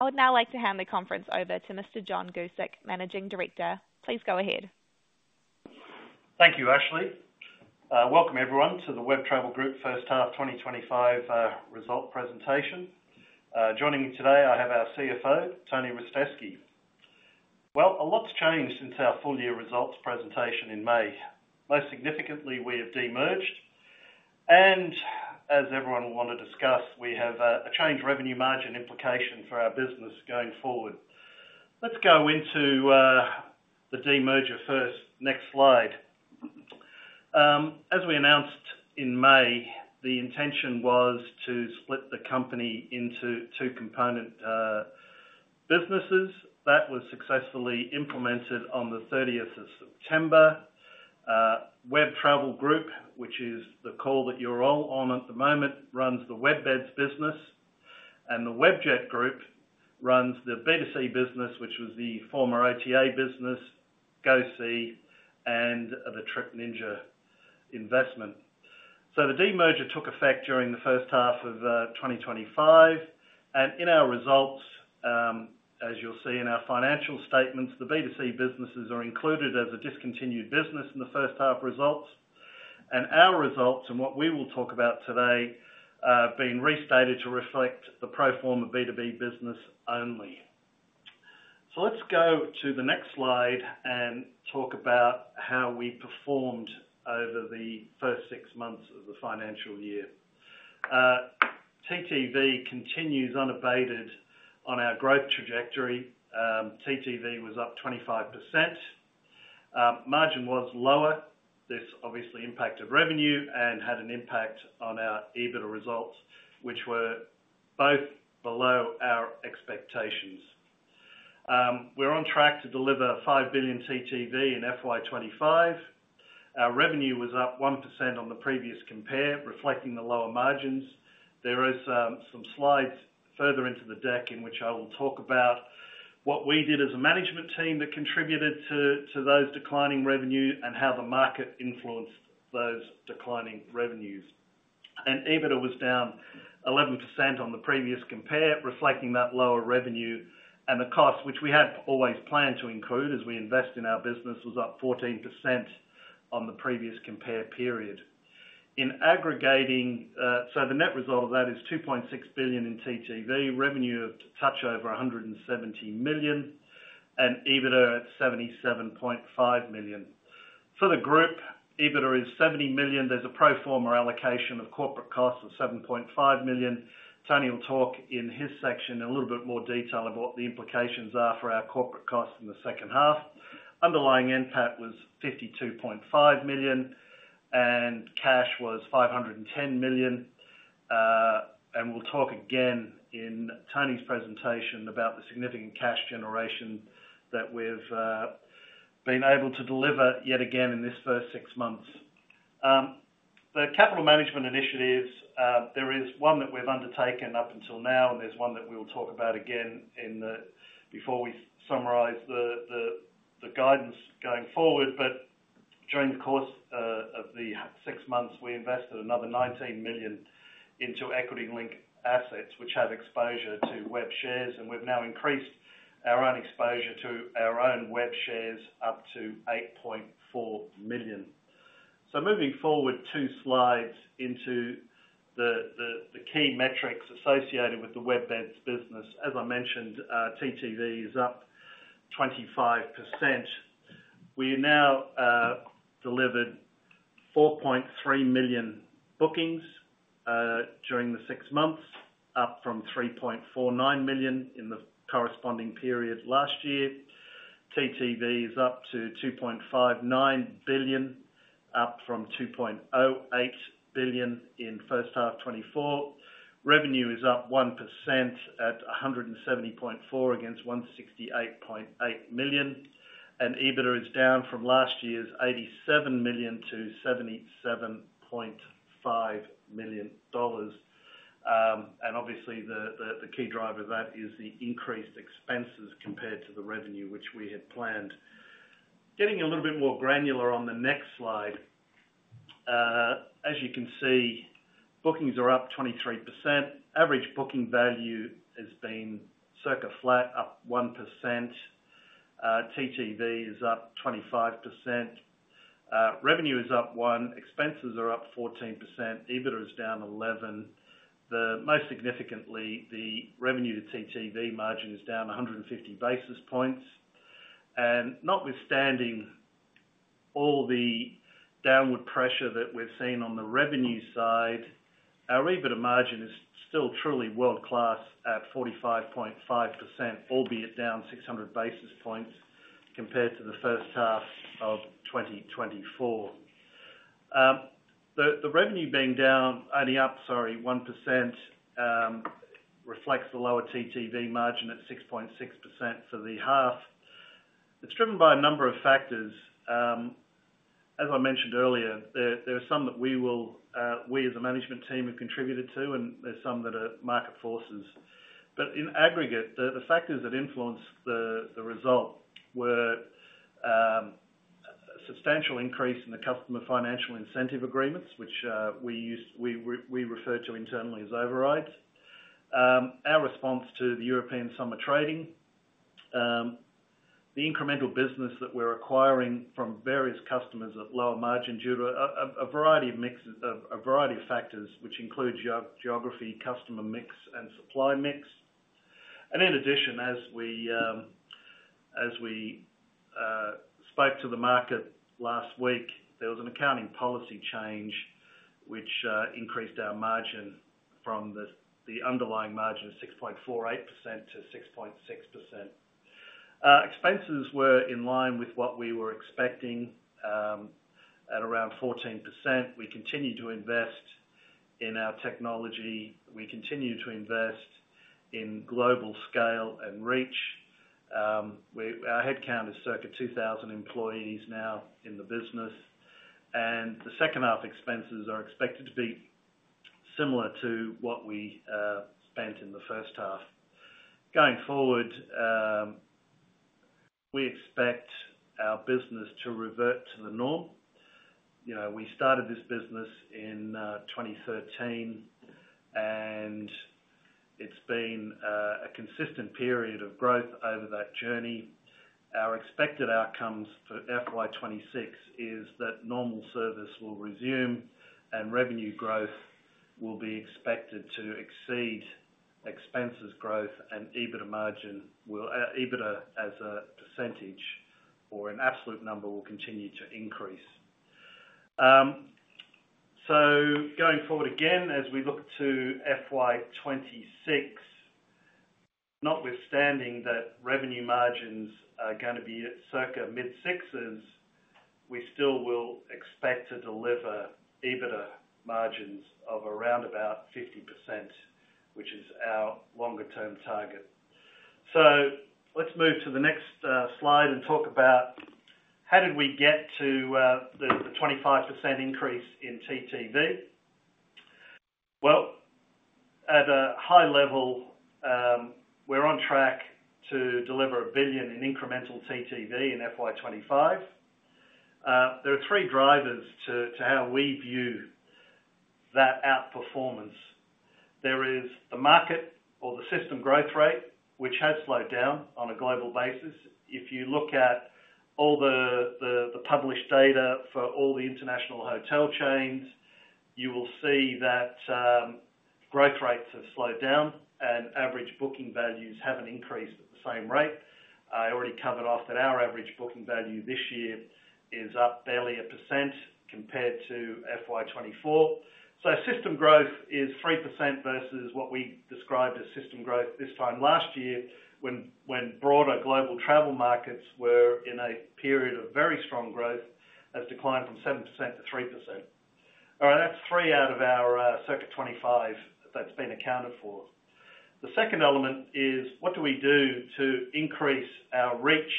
I would now like to hand the conference over to Mr. John Guscic, Managing Director. Please go ahead. Thank you, Ashley. Welcome, everyone, to the Web Travel Group First Half 2025 results presentation. Joining me today, I have our CFO, Tony Ristevski. Well, a lot's changed since our full-year results presentation in May. Most significantly, we have demerged, and as everyone will want to discuss, we have a change in revenue margin implication for our business going forward. Let's go into the demerger first. Next slide. As we announced in May, the intention was to split the company into two component businesses. That was successfully implemented on the 30th of September. Web Travel Group, which is the call that you're all on at the moment, runs the WebBeds business, and the Webjet Group runs the B2C business, which was the former OTA business, GoSee, and the Trip Ninja investment. So the demerger took effect during the H1 of 2025. In our results, as you'll see in our financial statements, the B2C businesses are included as a discontinued business in the first half results. Our results and what we will talk about today have been restated to reflect the pro forma B2B business only. Let's go to the next slide and talk about how we performed over the first six months of the financial year. TTV continues unabated on our growth trajectory. TTV was up 25%. Margin was lower. This obviously impacted revenue and had an impact on our EBITDA results, which were both below our expectations. We're on track to deliver 5 billion TTV in FY 2025. Our revenue was up 1% on the previous compare, reflecting the lower margins. There are some slides further into the deck in which I will talk about what we did as a management team that contributed to those declining revenues and how the market influenced those declining revenues. EBITDA was down 11% on the previous compare, reflecting that lower revenue. The cost, which we had always planned to include as we invest in our business, was up 14% on the previous compare period. In aggregating, so the net result of that is 2.6 billion in TTV, revenue of touch over 170 million, and EBITDA at 77.5 million. For the group, EBITDA is 70 million. There's a pro forma allocation of corporate costs of 7.5 million. Tony will talk in his section in a little bit more detail about what the implications are for our corporate costs in the second half. Underlying impact was 52.5 million, and cash was 510 million. We'll talk again in Tony's presentation about the significant cash generation that we've been able to deliver yet again in this first six months. The capital management initiatives, there is one that we've undertaken up until now, and there's one that we'll talk about again before we summarize the guidance going forward. During the course of the six months, we invested another 19 million into equity-linked financial assets, which have exposure to WEB shares, and we've now increased our own exposure to our own WEB shares up to 8.4 million. Moving forward, two slides into the key metrics associated with the WebBeds business. As I mentioned, TTV is up 25%. We now delivered 4.3 million bookings during the six months, up from 3.49 million in the corresponding period last year. TTV is up to 2.59 billion, up from 2.08 billion in H1 2024. Revenue is up 1% at 170.4 million against 168.8 million. And EBITDA is down from last year's 87 million to 77.5 million dollars. And obviously, the key driver of that is the increased expenses compared to the revenue, which we had planned. Getting a little bit more granular on the next slide, as you can see, bookings are up 23%. Average booking value has been circa flat, up 1%. TTV is up 25%. Revenue is up 1%. Expenses are up 14%. EBITDA is down 11%. Most significantly, the revenue to TTV margin is down 150 basis points. And notwithstanding all the downward pressure that we've seen on the revenue side, our EBITDA margin is still truly world-class at 45.5%, albeit down 600 basis points compared to the H1 of 2024. The revenue being down, only up, sorry, 1% reflects the lower TTV margin at 6.6% for the half. It's driven by a number of factors. As I mentioned earlier, there are some that we as a management team have contributed to, and there's some that are market forces. But in aggregate, the factors that influenced the result were a substantial increase in the customer financial incentive agreements, which we refer to internally as overrides, our response to the European summer trading, the incremental business that we're acquiring from various customers at lower margin due to a variety of factors, which include geography, customer mix, and supply mix, and in addition, as we spoke to the market last week, there was an accounting policy change which increased our margin from the underlying margin of 6.48% to 6.6%. Expenses were in line with what we were expecting at around 14%. We continue to invest in our technology. We continue to invest in global scale and reach. Our headcount is circa 2,000 employees now in the business. And the second half expenses are expected to be similar to what we spent in the first half. Going forward, we expect our business to revert to the norm. We started this business in 2013, and it's been a consistent period of growth over that journey. Our expected outcomes for FY 2026 is that normal service will resume and revenue growth will be expected to exceed expenses growth, and EBITDA as a percentage or an absolute number will continue to increase. So going forward again, as we look to FY 2026, notwithstanding that revenue margins are going to be circa mid-sixes, we still will expect to deliver EBITDA margins of around about 50%, which is our longer-term target. So let's move to the next slide and talk about how did we get to the 25% increase in TTV. At a high level, we're on track to deliver a billion in incremental TTV in FY 2025. There are three drivers to how we view that outperformance. There is the market or the system growth rate, which has slowed down on a global basis. If you look at all the published data for all the international hotel chains, you will see that growth rates have slowed down and average booking values haven't increased at the same rate. I already covered off that our average booking value this year is up barely 1% compared to FY 2024. So system growth is 3% versus what we described as system growth this time last year, when broader global travel markets were in a period of very strong growth, has declined from 7% to 3%. All right, that's three out of our circa 25 that's been accounted for. The second element is what do we do to increase our reach,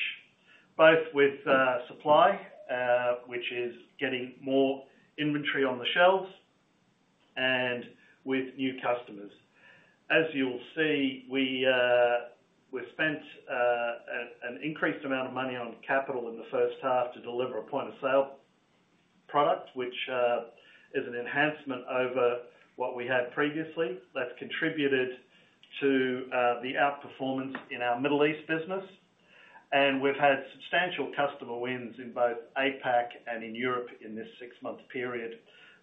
both with supply, which is getting more inventory on the shelves, and with new customers. As you'll see, we spent an increased amount of money on capital in the first half to deliver a point-of-sale product, which is an enhancement over what we had previously that's contributed to the outperformance in our Middle East business. And we've had substantial customer wins in both APAC and in Europe in this six-month period,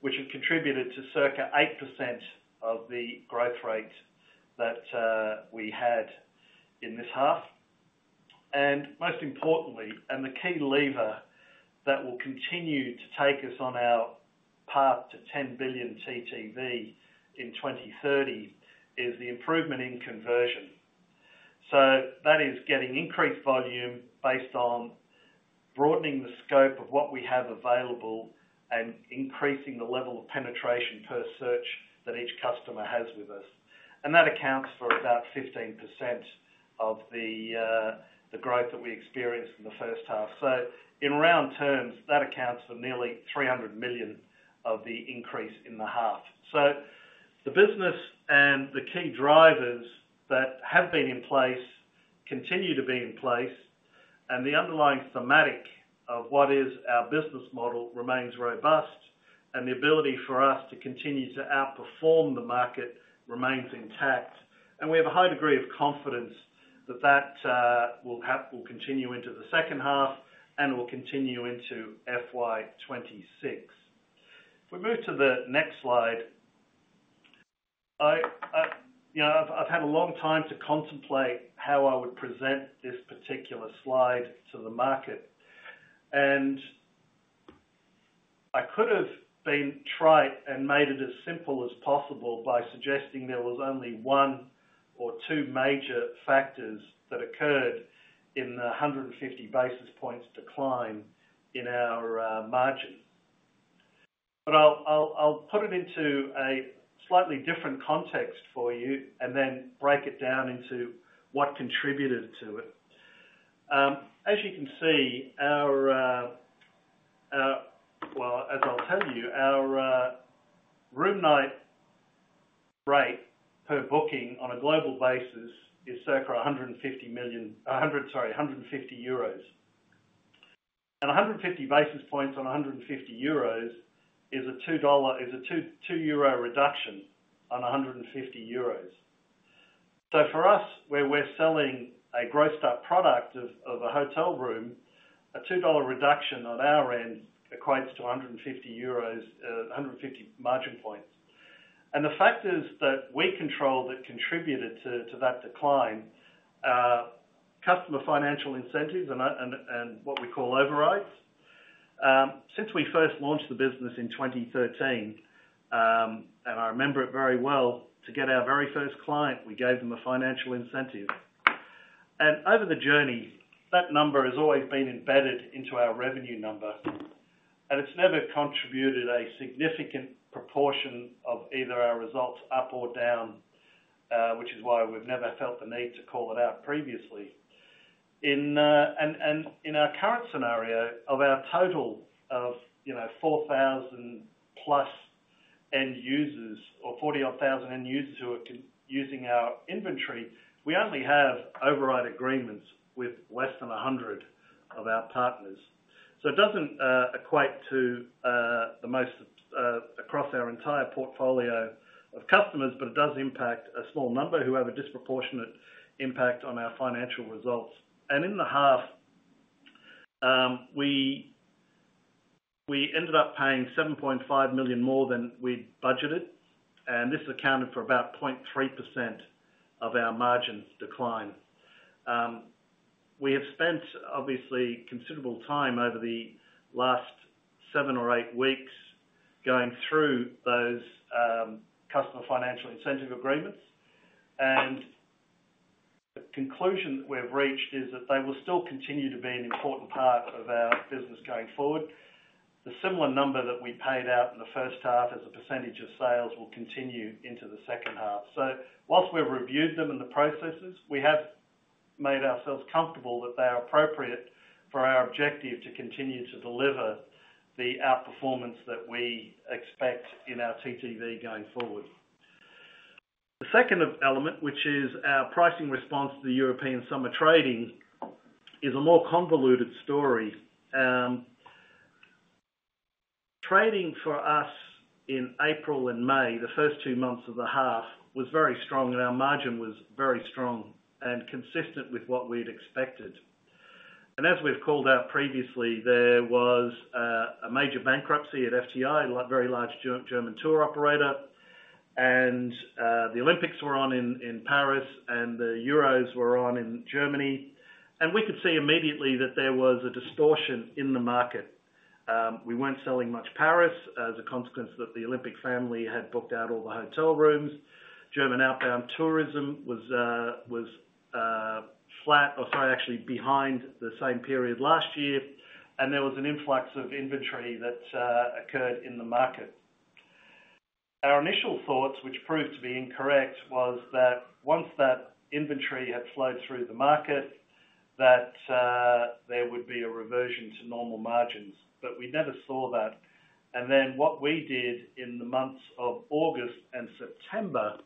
which have contributed to circa 8% of the growth rate that we had in this half, and most importantly, and the key lever that will continue to take us on our path to 10 billion TTV in 2030 is the improvement in conversion. That is getting increased volume based on broadening the scope of what we have available and increasing the level of penetration per search that each customer has with us. And that accounts for about 15% of the growth that we experienced in the first half. So in round terms, that accounts for nearly 300 million of the increase in the half. So the business and the key drivers that have been in place continue to be in place, and the underlying thematic of what is our business model remains robust, and the ability for us to continue to outperform the market remains intact. And we have a high degree of confidence that that will continue into the second half and will continue into FY 2026. If we move to the next slide, I've had a long time to contemplate how I would present this particular slide to the market. I could have been trite and made it as simple as possible by suggesting there was only one or two major factors that occurred in the 150 basis points decline in our margin. I'll put it into a slightly different context for you and then break it down into what contributed to it. As you can see, our well, as I'll tell you, our room night rate per booking on a global basis is circa 150 million sorry, 150 euros. 150 basis points on 150 euros is a $2 reduction on 150 euros. For us, where we're selling a grossed-up product of a hotel room, a $2 reduction on our end equates to 150 margin points. The factors that we control that contributed to that decline are customer financial incentives and what we call overrides. Since we first launched the business in 2013, and I remember it very well, to get our very first client, we gave them a financial incentive. And over the journey, that number has always been embedded into our revenue number. And it's never contributed a significant proportion of either our results up or down, which is why we've never felt the need to call it out previously. And in our current scenario, of our total of 4,000 plus end users or 40,000 end users who are using our inventory, we only have override agreements with less than 100 of our partners. So it doesn't equate to the most across our entire portfolio of customers, but it does impact a small number who have a disproportionate impact on our financial results. In the half, we ended up paying 7.5 million more than we'd budgeted, and this accounted for about 0.3% of our margin decline. We have spent, obviously, considerable time over the last seven or eight weeks going through those customer financial incentive agreements. The conclusion that we've reached is that they will still continue to be an important part of our business going forward. The similar number that we paid out in the first half as a percentage of sales will continue into the second half. While we've reviewed them and the processes, we have made ourselves comfortable that they are appropriate for our objective to continue to deliver the outperformance that we expect in our TTV going forward. The second element, which is our pricing response to the European summer trading, is a more convoluted story. Trading for us in April and May, the first two months of the half, was very strong, and our margin was very strong and consistent with what we'd expected. And as we've called out previously, there was a major bankruptcy at FTI, a very large German tour operator. And the Olympics were on in Paris, and the Euros were on in Germany. And we could see immediately that there was a distortion in the market. We weren't selling much Paris as a consequence that the Olympic family had booked out all the hotel rooms. German outbound tourism was flat, or sorry, actually behind the same period last year. And there was an influx of inventory that occurred in the market. Our initial thoughts, which proved to be incorrect, was that once that inventory had flowed through the market, that there would be a reversion to normal margins. But we never saw that. And then what we did in the months of August and September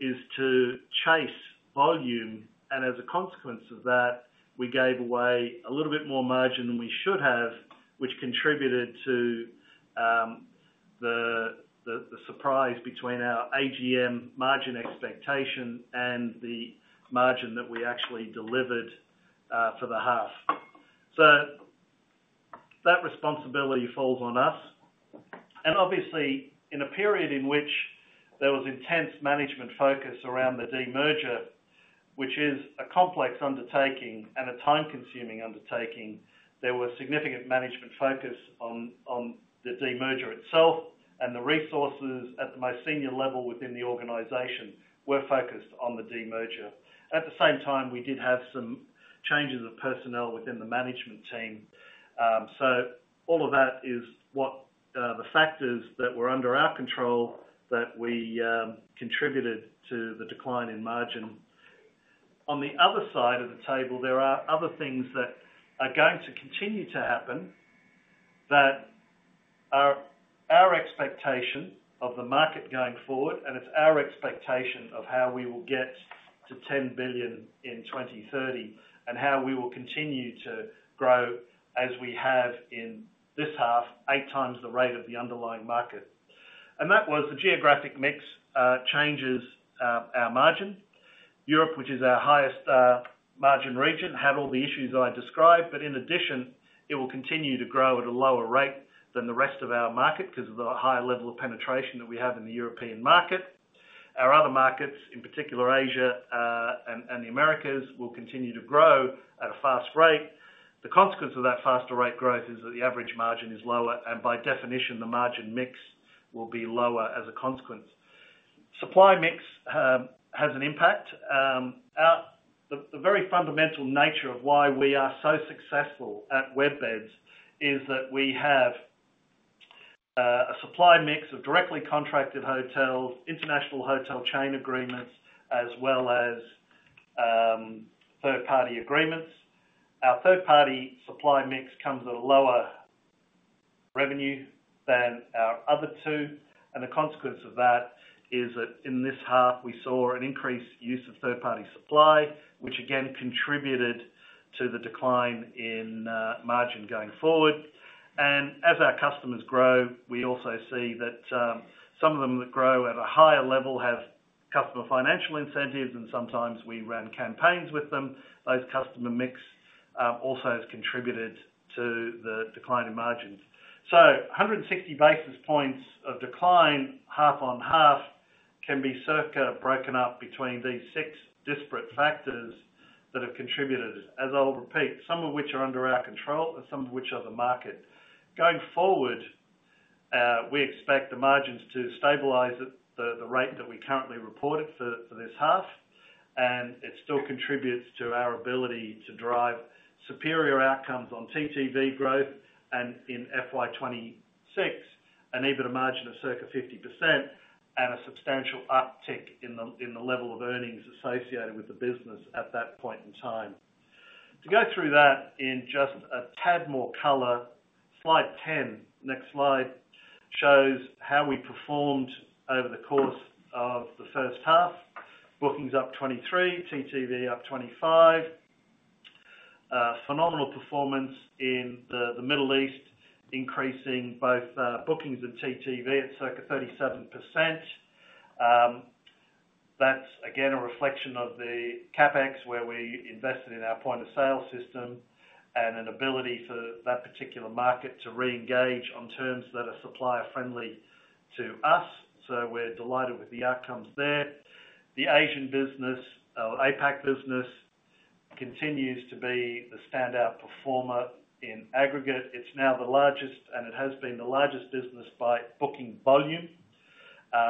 is to chase volume. And as a consequence of that, we gave away a little bit more margin than we should have, which contributed to the surprise between our AGM margin expectation and the margin that we actually delivered for the half. So that responsibility falls on us. And obviously, in a period in which there was intense management focus around the demerger, which is a complex undertaking and a time-consuming undertaking, there was significant management focus on the demerger itself, and the resources at the most senior level within the organization were focused on the demerger. At the same time, we did have some changes of personnel within the management team. So all of that is what the factors that were under our control that we contributed to the decline in margin. On the other side of the table, there are other things that are going to continue to happen that are our expectation of the market going forward, and it's our expectation of how we will get to 10 billion in 2030 and how we will continue to grow as we have in this half, eight times the rate of the underlying market, and that was the geographic mix changes our margin. Europe, which is our highest margin region, had all the issues I described, but in addition, it will continue to grow at a lower rate than the rest of our market because of the high level of penetration that we have in the European market. Our other markets, in particular, Asia and the Americas, will continue to grow at a fast rate. The consequence of that faster rate growth is that the average margin is lower, and by definition, the margin mix will be lower as a consequence. Supply mix has an impact. The very fundamental nature of why we are so successful at WebBeds is that we have a supply mix of directly contracted hotels, international hotel chain agreements, as well as third-party agreements. Our third-party supply mix comes at a lower revenue than our other two. And the consequence of that is that in this half, we saw an increased use of third-party supply, which again contributed to the decline in margin going forward. And as our customers grow, we also see that some of them that grow at a higher level have customer financial incentives, and sometimes we run campaigns with them. Those customer mix also has contributed to the decline in margins. So 160 basis points of decline, half on half, can be circa broken up between these six disparate factors that have contributed, as I'll repeat, some of which are under our control and some of which are the market. Going forward, we expect the margins to stabilize at the rate that we currently reported for this half, and it still contributes to our ability to drive superior outcomes on TTV growth and in FY 2026, an EBITDA margin of circa 50% and a substantial uptick in the level of earnings associated with the business at that point in time. To go through that in just a tad more color, slide 10, next slide, shows how we performed over the course of the first half. Bookings up 23%, TTV up 25%. Phenomenal performance in the Middle East, increasing both bookings and TTV at circa 37%. That's again a reflection of the CapEx where we invested in our point-of-sale system and an ability for that particular market to reengage on terms that are supplier-friendly to us. So we're delighted with the outcomes there. The Asian business, or APAC business, continues to be the standout performer in aggregate. It's now the largest, and it has been the largest business by booking volume.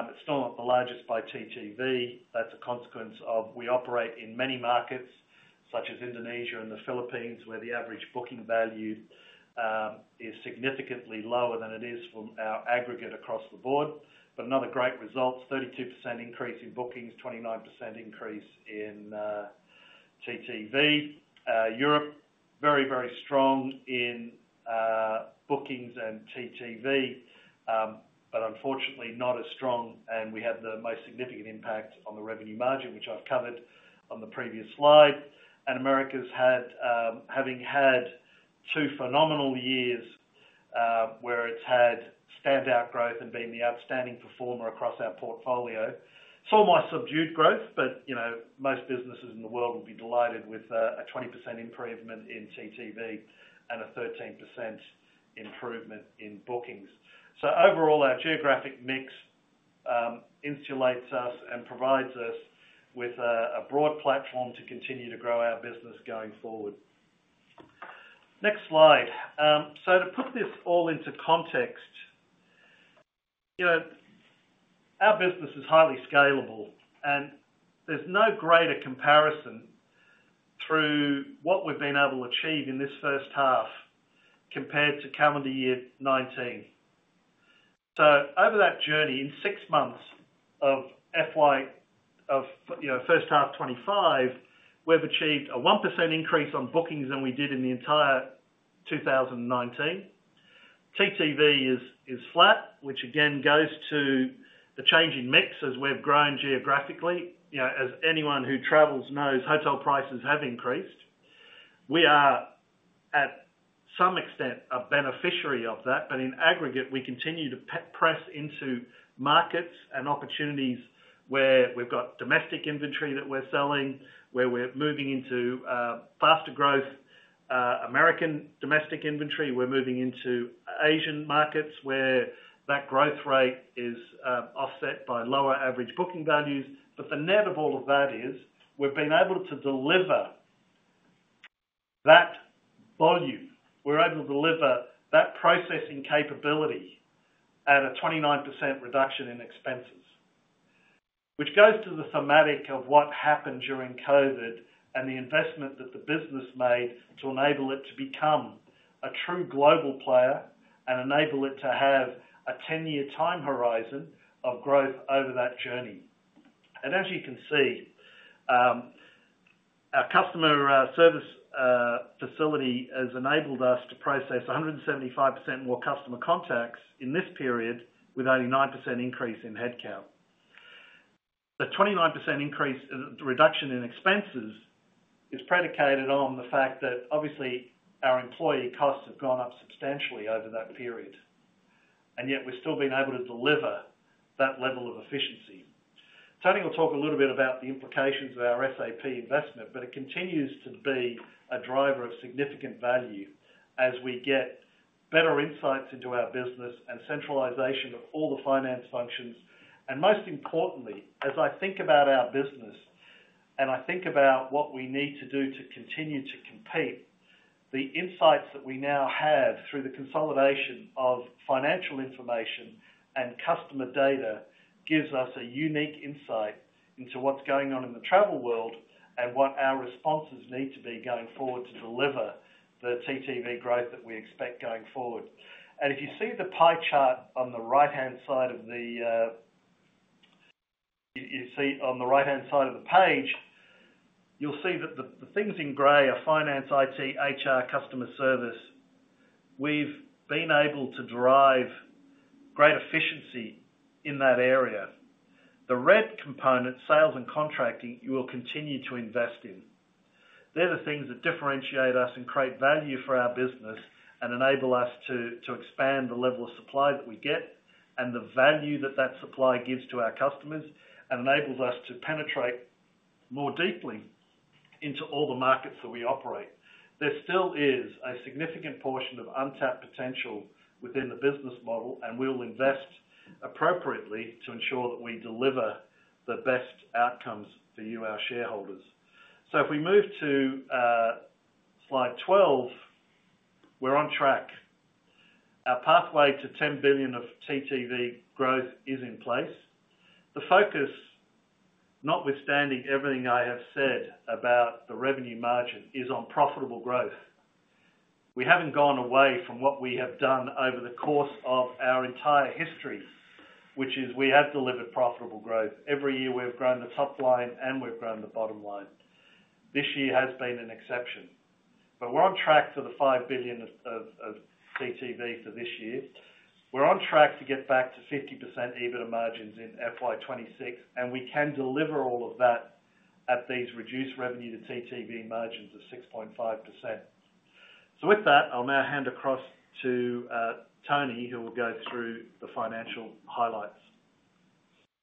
It's still not the largest by TTV. That's a consequence of we operate in many markets such as Indonesia and the Philippines, where the average booking value is significantly lower than it is from our aggregate across the board. But another great result, 32% increase in bookings, 29% increase in TTV. Europe, very, very strong in bookings and TTV, but unfortunately not as strong, and we had the most significant impact on the revenue margin, which I've covered on the previous slide. America, having had two phenomenal years where it has had standout growth and been the outstanding performer across our portfolio. We saw more subdued growth, but most businesses in the world will be delighted with a 20% improvement in TTV and a 13% improvement in bookings. Overall, our geographic mix insulates us and provides us with a broad platform to continue to grow our business going forward. Next slide. To put this all into context, our business is highly scalable, and there's no greater comparison than what we've been able to achieve in this first half compared to calendar year 2019. Over that journey, in six months of first half 2025, we've achieved a 1% increase on bookings than we did in the entire 2019. TTV is flat, which again goes to the change in mix as we've grown geographically. As anyone who travels knows, hotel prices have increased. We are, to some extent, a beneficiary of that, but in aggregate, we continue to press into markets and opportunities where we've got domestic inventory that we're selling, where we're moving into faster growth, American domestic inventory. We're moving into Asian markets where that growth rate is offset by lower average booking values, but the net of all of that is we've been able to deliver that volume. We're able to deliver that processing capability at a 29% reduction in expenses, which goes to the theme of what happened during COVID and the investment that the business made to enable it to become a true global player and enable it to have a 10-year time horizon of growth over that journey. As you can see, our customer service facility has enabled us to process 175% more customer contacts in this period with only 9% increase in headcount. The 29% reduction in expenses is predicated on the fact that, obviously, our employee costs have gone up substantially over that period, and yet we've still been able to deliver that level of efficiency. Tony will talk a little bit about the implications of our SAP investment, but it continues to be a driver of significant value as we get better insights into our business and centralization of all the finance functions. And most importantly, as I think about our business and I think about what we need to do to continue to compete, the insights that we now have through the consolidation of financial information and customer data gives us a unique insight into what's going on in the travel world and what our responses need to be going forward to deliver the TTV growth that we expect going forward. And if you see the pie chart on the right-hand side of the page, you'll see that the things in gray are finance, IT, HR, customer service. We've been able to drive great efficiency in that area. The red component, sales and contracting, we will continue to invest in. They're the things that differentiate us and create value for our business and enable us to expand the level of supply that we get and the value that that supply gives to our customers and enables us to penetrate more deeply into all the markets that we operate. There still is a significant portion of untapped potential within the business model, and we'll invest appropriately to ensure that we deliver the best outcomes for you, our shareholders. So if we move to slide 12, we're on track. Our pathway to 10 billion of TTV growth is in place. The focus, notwithstanding everything I have said about the revenue margin, is on profitable growth. We haven't gone away from what we have done over the course of our entire history, which is we have delivered profitable growth. Every year, we have grown the top line, and we've grown the bottom line. This year has been an exception. But we're on track to the 5 billion of TTV for this year. We're on track to get back to 50% EBITDA margins in FY 2026, and we can deliver all of that at these reduced revenue to TTV margins of 6.5%. So with that, I'll now hand across to Tony, who will go through the financial highlights.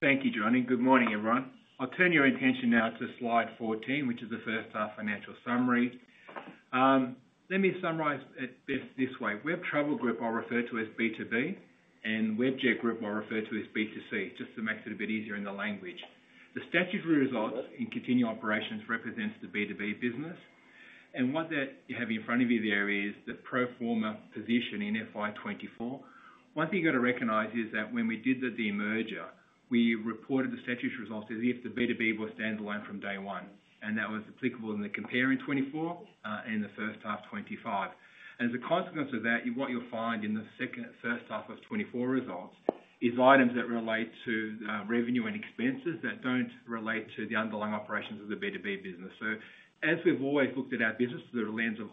Thank you, John. Good morning, everyone. I'll turn your attention now to slide 14, which is the first half financial summary. Let me summarize this way. Web Travel Group, I'll refer to as B2B, and Webjet Group, I'll refer to as B2C, just to make it a bit easier in the language. The statutory results in continuing operations represents the B2B business. And what you have in front of you there is the pro forma position in FY 2024. One thing you've got to recognize is that when we did the demerger, we reported the statutory results as if the B2B were standalone from day one, and that was applicable in the comparing 2024 and in the first half 2025. As a consequence of that, what you'll find in the first half of 2024 results is items that relate to revenue and expenses that don't relate to the underlying operations of the B2B business. So as we've always looked at our business through the lens of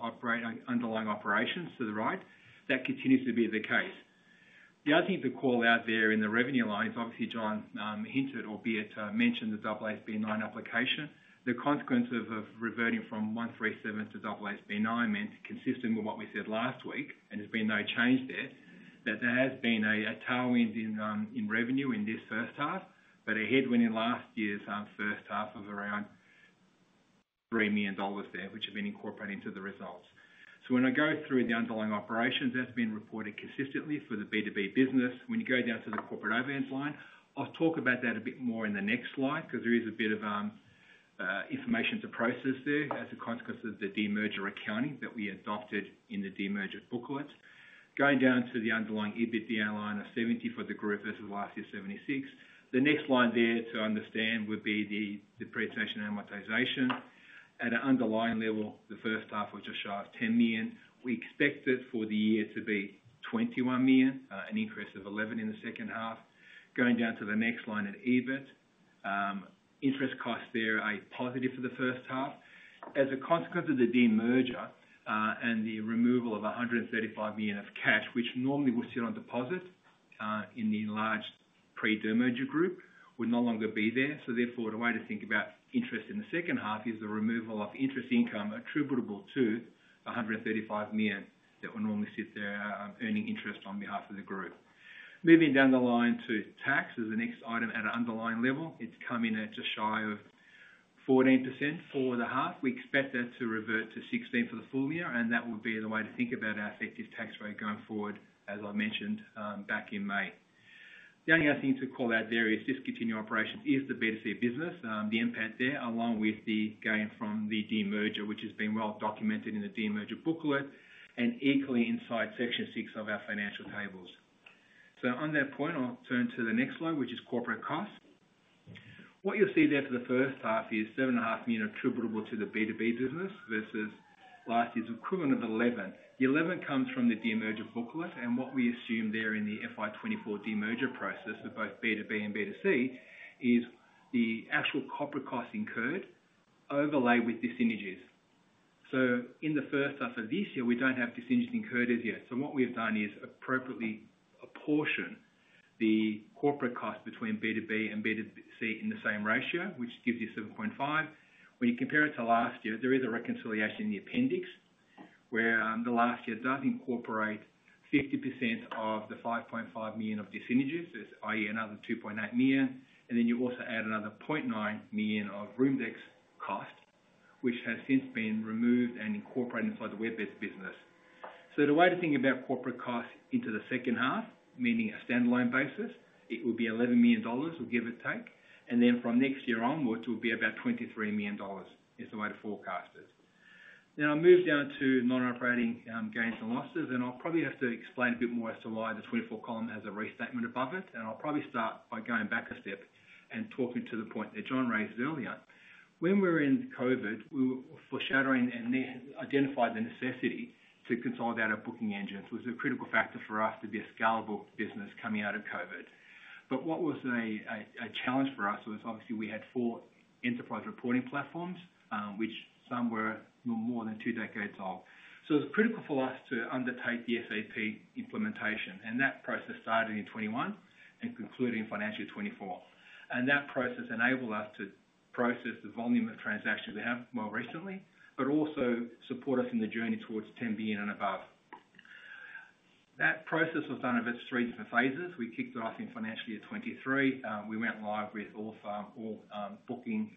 underlying operations to the right, that continues to be the case. The other thing to call out there in the revenue line is, obviously, John hinted or mentioned the AASB 9 application. The consequence of reverting from AASB 137 to AASB 9 meant, consistent with what we said last week, and there's been no change there, that there has been a tailwind in revenue in this first half, but a headwind in last year's first half of around 3 million dollars there, which have been incorporated into the results. So when I go through the underlying operations that have been reported consistently for the B2B business, when you go down to the corporate overhead line, I'll talk about that a bit more in the next slide because there is a bit of information to process there as a consequence of the demerger accounting that we adopted in the demerger booklet. Going down to the underlying EBITDA line of 70 for the group versus last year's 76. The next line there to understand would be the depreciation amortization. At an underlying level, the first half, which I show, is 10 million. We expected for the year to be 21 million, an increase of 11 million in the second half. Going down to the next line at EBIT, interest costs there are positive for the first half. As a consequence of the demerger and the removal of 135 million of cash, which normally would sit on deposit in the enlarged pre-demerger group, would no longer be there. So therefore, the way to think about interest in the second half is the removal of interest income attributable to 135 million that would normally sit there earning interest on behalf of the group. Moving down the line to tax is the next item at an underlying level. It's come in at just shy of 14% for the half. We expect that to revert to 16% for the full year, and that would be the way to think about our effective tax rate going forward, as I mentioned back in May. The only other thing to call out there is discontinuing operations is the B2C business, the impact there, along with the gain from the demerger, which has been well documented in the demerger booklet and equally inside section six of our financial tables. So on that point, I'll turn to the next slide, which is corporate costs. What you'll see there for the first half is 7.5 million attributable to the B2B business versus last year's equivalent of 11 million. The 11 comes from the demerger booklet, and what we assume there in the FY 2024 demerger process for both B2B and B2C is the actual corporate costs incurred overlaid with dis-synergies. So in the first half of this year, we don't have redundancies incurred as yet. So what we've done is appropriately apportion the corporate costs between B2B and B2C in the same ratio, which gives you 7.5. When you compare it to last year, there is a reconciliation in the appendix where the last year does incorporate 50% of the 5.5 million of redundancies, i.e., another 2.8 million, and then you also add another 0.9 million of Roomdex cost, which has since been removed and incorporated inside the WebBeds business. So the way to think about corporate costs into the second half, meaning a standalone basis, it would be 11 million dollars, give or take, and then from next year onwards, it would be about 23 million dollars is the way to forecast it. Then I'll move down to non-operating gains and losses, and I'll probably have to explain a bit more as to why the 2024 column has a restatement above it, and I'll probably start by going back a step and talking to the point that John raised earlier. When we were in COVID, we were foreshadowing and identified the necessity to consolidate our booking engines, which was a critical factor for us to be a scalable business coming out of COVID. But what was a challenge for us was, obviously, we had four enterprise reporting platforms, which some were more than two decades old. So it was critical for us to undertake the SAP implementation, and that process started in 2021 and concluded in financial 2024. And that process enabled us to process the volume of transactions we have more recently, but also support us in the journey towards 10 billion and above. That process was done over three different phases. We kicked it off in financial year 2023. We went live with all booking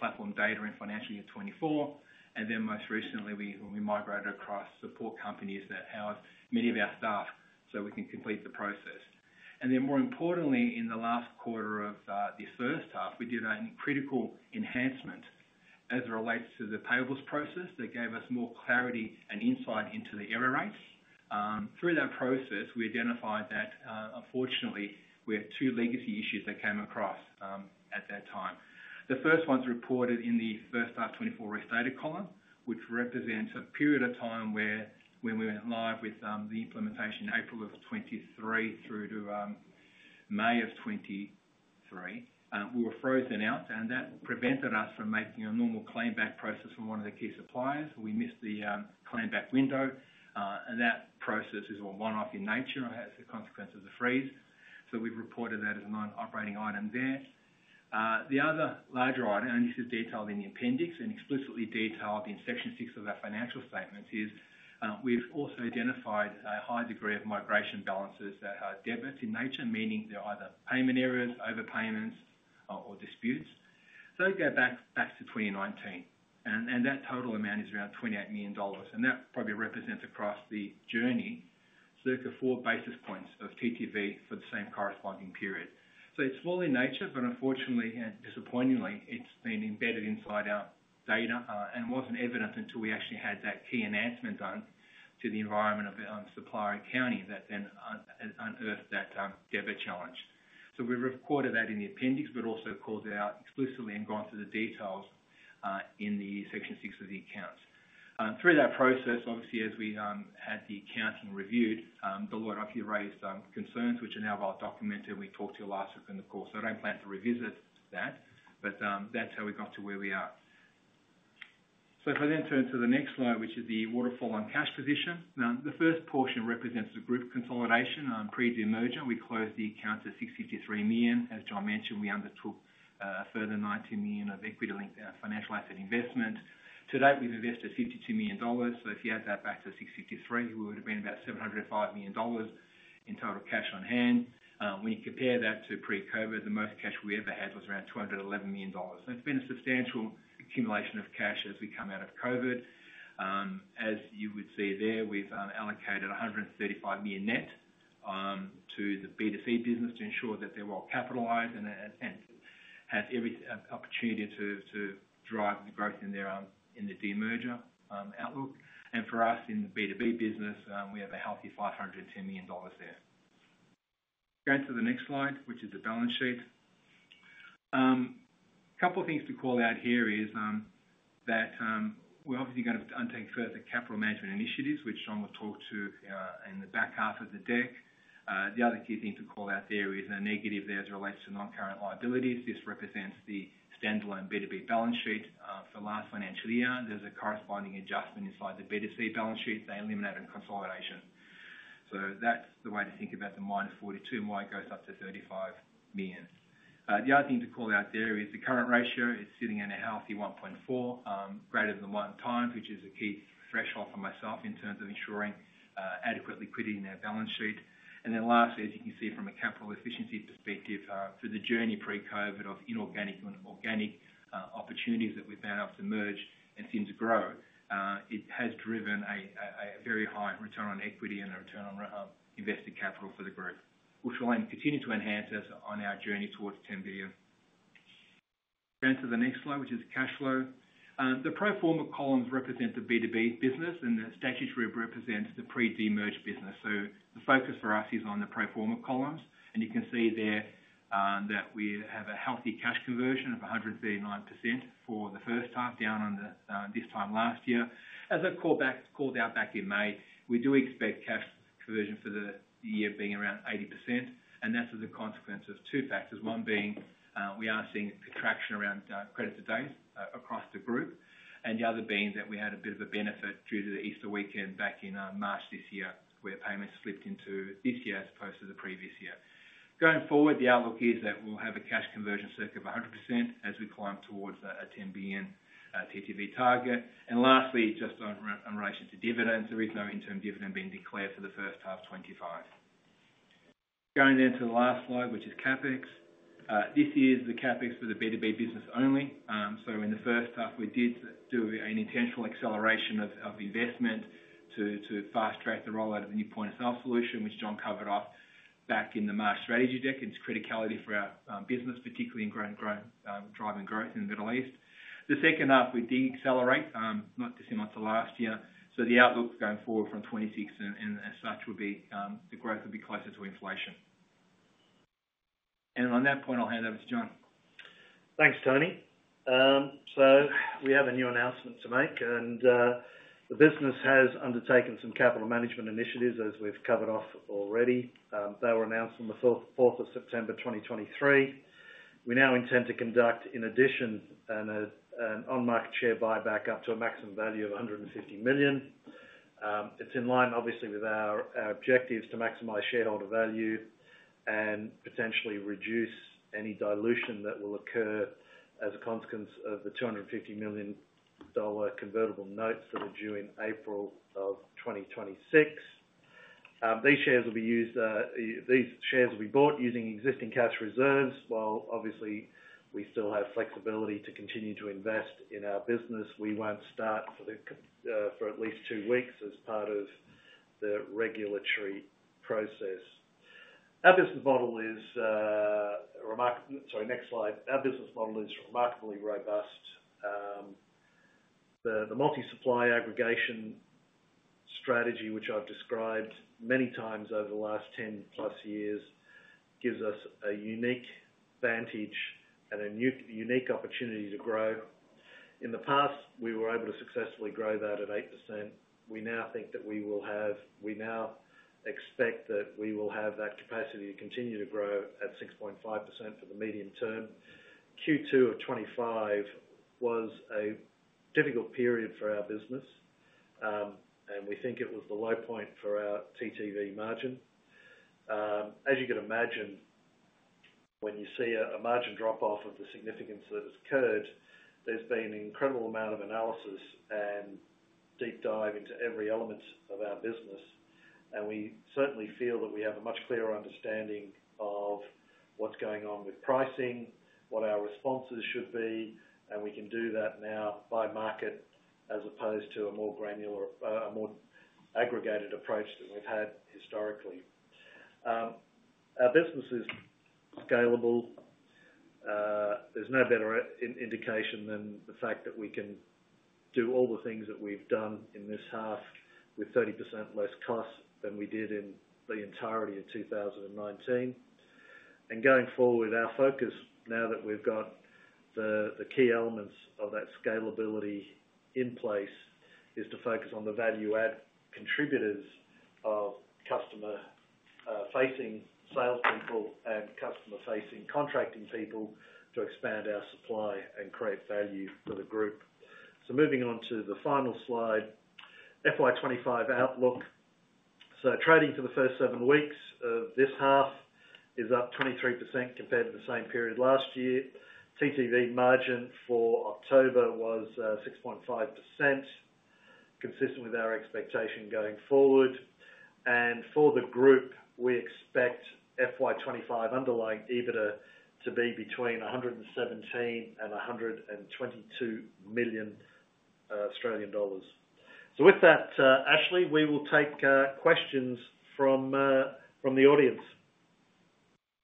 platform data in financial year 2024, and then most recently, we migrated across support companies that house many of our staff so we can complete the process. And then more importantly, in the last quarter of the first half, we did a critical enhancement as it relates to the payables process that gave us more clarity and insight into the error rates. Through that process, we identified that, unfortunately, we had two legacy issues that came across at that time. The first one's reported in the first half 2024 restatement column, which represents a period of time when we went live with the implementation in April of 2023 through to May of 2023. We were frozen out, and that prevented us from making a normal claim-back process from one of the key suppliers. We missed the claim-back window, and that process is all one-off in nature as a consequence of the freeze. So we've reported that as a non-operating item there. The other larger item, and this is detailed in the appendix and explicitly detailed in section six of our financial statements, is we've also identified a high degree of migration balances that are debits in nature, meaning they're either payment errors, overpayments, or disputes. So, go back to 2019, and that total amount is around 28 million dollars, and that probably represents across the journey circa four basis points of TTV for the same corresponding period. So, it's small in nature, but unfortunately and disappointingly, it's been embedded inside our data and wasn't evident until we actually had that key enhancement done to the environment of supplier accounting that then unearthed that debit challenge. So, we've recorded that in the appendix, but also called out explicitly and gone through the details in the section six of the accounts. Through that process, obviously, as we had the accounting reviewed, the lawyer obviously raised concerns, which are now well documented. We talked to you last week in the course. I don't plan to revisit that, but that's how we got to where we are. So if I then turn to the next slide, which is the waterfall on cash position. Now, the first portion represents the group consolidation pre-demerger. We closed the account at 653 million. As John mentioned, we undertook a further 19 million of equity-linked financial asset investment. To date, we've invested 52 million dollars. So if you add that back to 653, we would have been about 705 million dollars in total cash on hand. When you compare that to pre-COVID, the most cash we ever had was around 211 million dollars. So it's been a substantial accumulation of cash as we come out of COVID. As you would see there, we've allocated 135 million net to the B2C business to ensure that they're well capitalized and have every opportunity to drive the growth in the demerger outlook. And for us in the B2B business, we have a healthy 510 million dollars there. Going to the next slide, which is the balance sheet. A couple of things to call out here is that we're obviously going to undertake further capital management initiatives, which John will talk to in the back half of the deck. The other key thing to call out there is a negative there as it relates to non-current liabilities. This represents the standalone B2B balance sheet for last financial year. There's a corresponding adjustment inside the B2C balance sheet. They eliminate consolidation. So that's the way to think about the minus 42 million and why it goes up to 35 million. The other thing to call out there is the current ratio is sitting at a healthy 1.4, greater than one time, which is a key threshold for myself in terms of ensuring adequate liquidity in our balance sheet. And then lastly, as you can see from a capital efficiency perspective, through the journey pre-COVID of inorganic and organic opportunities that we've been able to merge and seem to grow, it has driven a very high return on equity and a return on invested capital for the group, which will continue to enhance us on our journey towards 10 billion. Going to the next slide, which is cash flow. The pro forma columns represent the B2B business, and the statutory represents the pre-demerger business. So the focus for us is on the pro forma columns, and you can see there that we have a healthy cash conversion of 139% for the first half down on this time last year. As I called out back in May, we do expect cash conversion for the year being around 80%, and that's as a consequence of two factors. One being, we are seeing a contraction around creditor days across the group, and the other being that we had a bit of a benefit due to the Easter weekend back in March this year, where payments slipped into this year as opposed to the previous year. Going forward, the outlook is that we'll have a cash conversion circa 100% as we climb towards a 10 billion TTV target. And lastly, just on relation to dividends, there is no interim dividend being declared for the first half 2025. Going then to the last slide, which is CapEx. This is the CapEx for the B2B business only. In the first half, we did do an intentional acceleration of investment to fast track the rollout of the new point-of-sale solution, which John covered off back in the March strategy deck, its criticality for our business, particularly in driving growth in the Middle East. The second half, we de-accelerate, not dissimilar to last year. The outlook going forward from 2026 and as such will be the growth will be closer to inflation. On that point, I'll hand over to John. Thanks, Tony. We have a new announcement to make, and the business has undertaken some capital management initiatives, as we've covered off already. They were announced on the 4th of September 2023. We now intend to conduct, in addition, an on-market share buyback up to a maximum value of 150 million. It's in line, obviously, with our objectives to maximize shareholder value and potentially reduce any dilution that will occur as a consequence of the 250 million dollar convertible notes that are due in April of 2026. These shares will be bought using existing cash reserves. While, obviously, we still have flexibility to continue to invest in our business, we won't start for at least two weeks as part of the regulatory process. Our business model is remarkably robust. The multi-supply aggregation strategy, which I've described many times over the last 10-plus years, gives us a unique vantage and a unique opportunity to grow. In the past, we were able to successfully grow that at 8%. We now expect that we will have that capacity to continue to grow at 6.5% for the medium term. Q2 of 2025 was a difficult period for our business, and we think it was the low point for our TTV margin. As you can imagine, when you see a margin drop-off of the significance that has occurred, there's been an incredible amount of analysis and deep dive into every element of our business, and we certainly feel that we have a much clearer understanding of what's going on with pricing, what our responses should be, and we can do that now by market as opposed to a more granular, more aggregated approach that we've had historically. Our business is scalable. There's no better indication than the fact that we can do all the things that we've done in this half with 30% less cost than we did in the entirety of 2019. And going forward, our focus, now that we've got the key elements of that scalability in place, is to focus on the value-add contributors of customer-facing salespeople and customer-facing contracting people to expand our supply and create value for the group. So moving on to the final slide, FY 2025 outlook. So trading for the first seven weeks of this half is up 23% compared to the same period last year. TTV margin for October was 6.5%, consistent with our expectation going forward. And for the group, we expect FY 2025 underlying EBITDA to be between 117 million and 122 million Australian dollars. So with that, Ashley, we will take questions from the audience.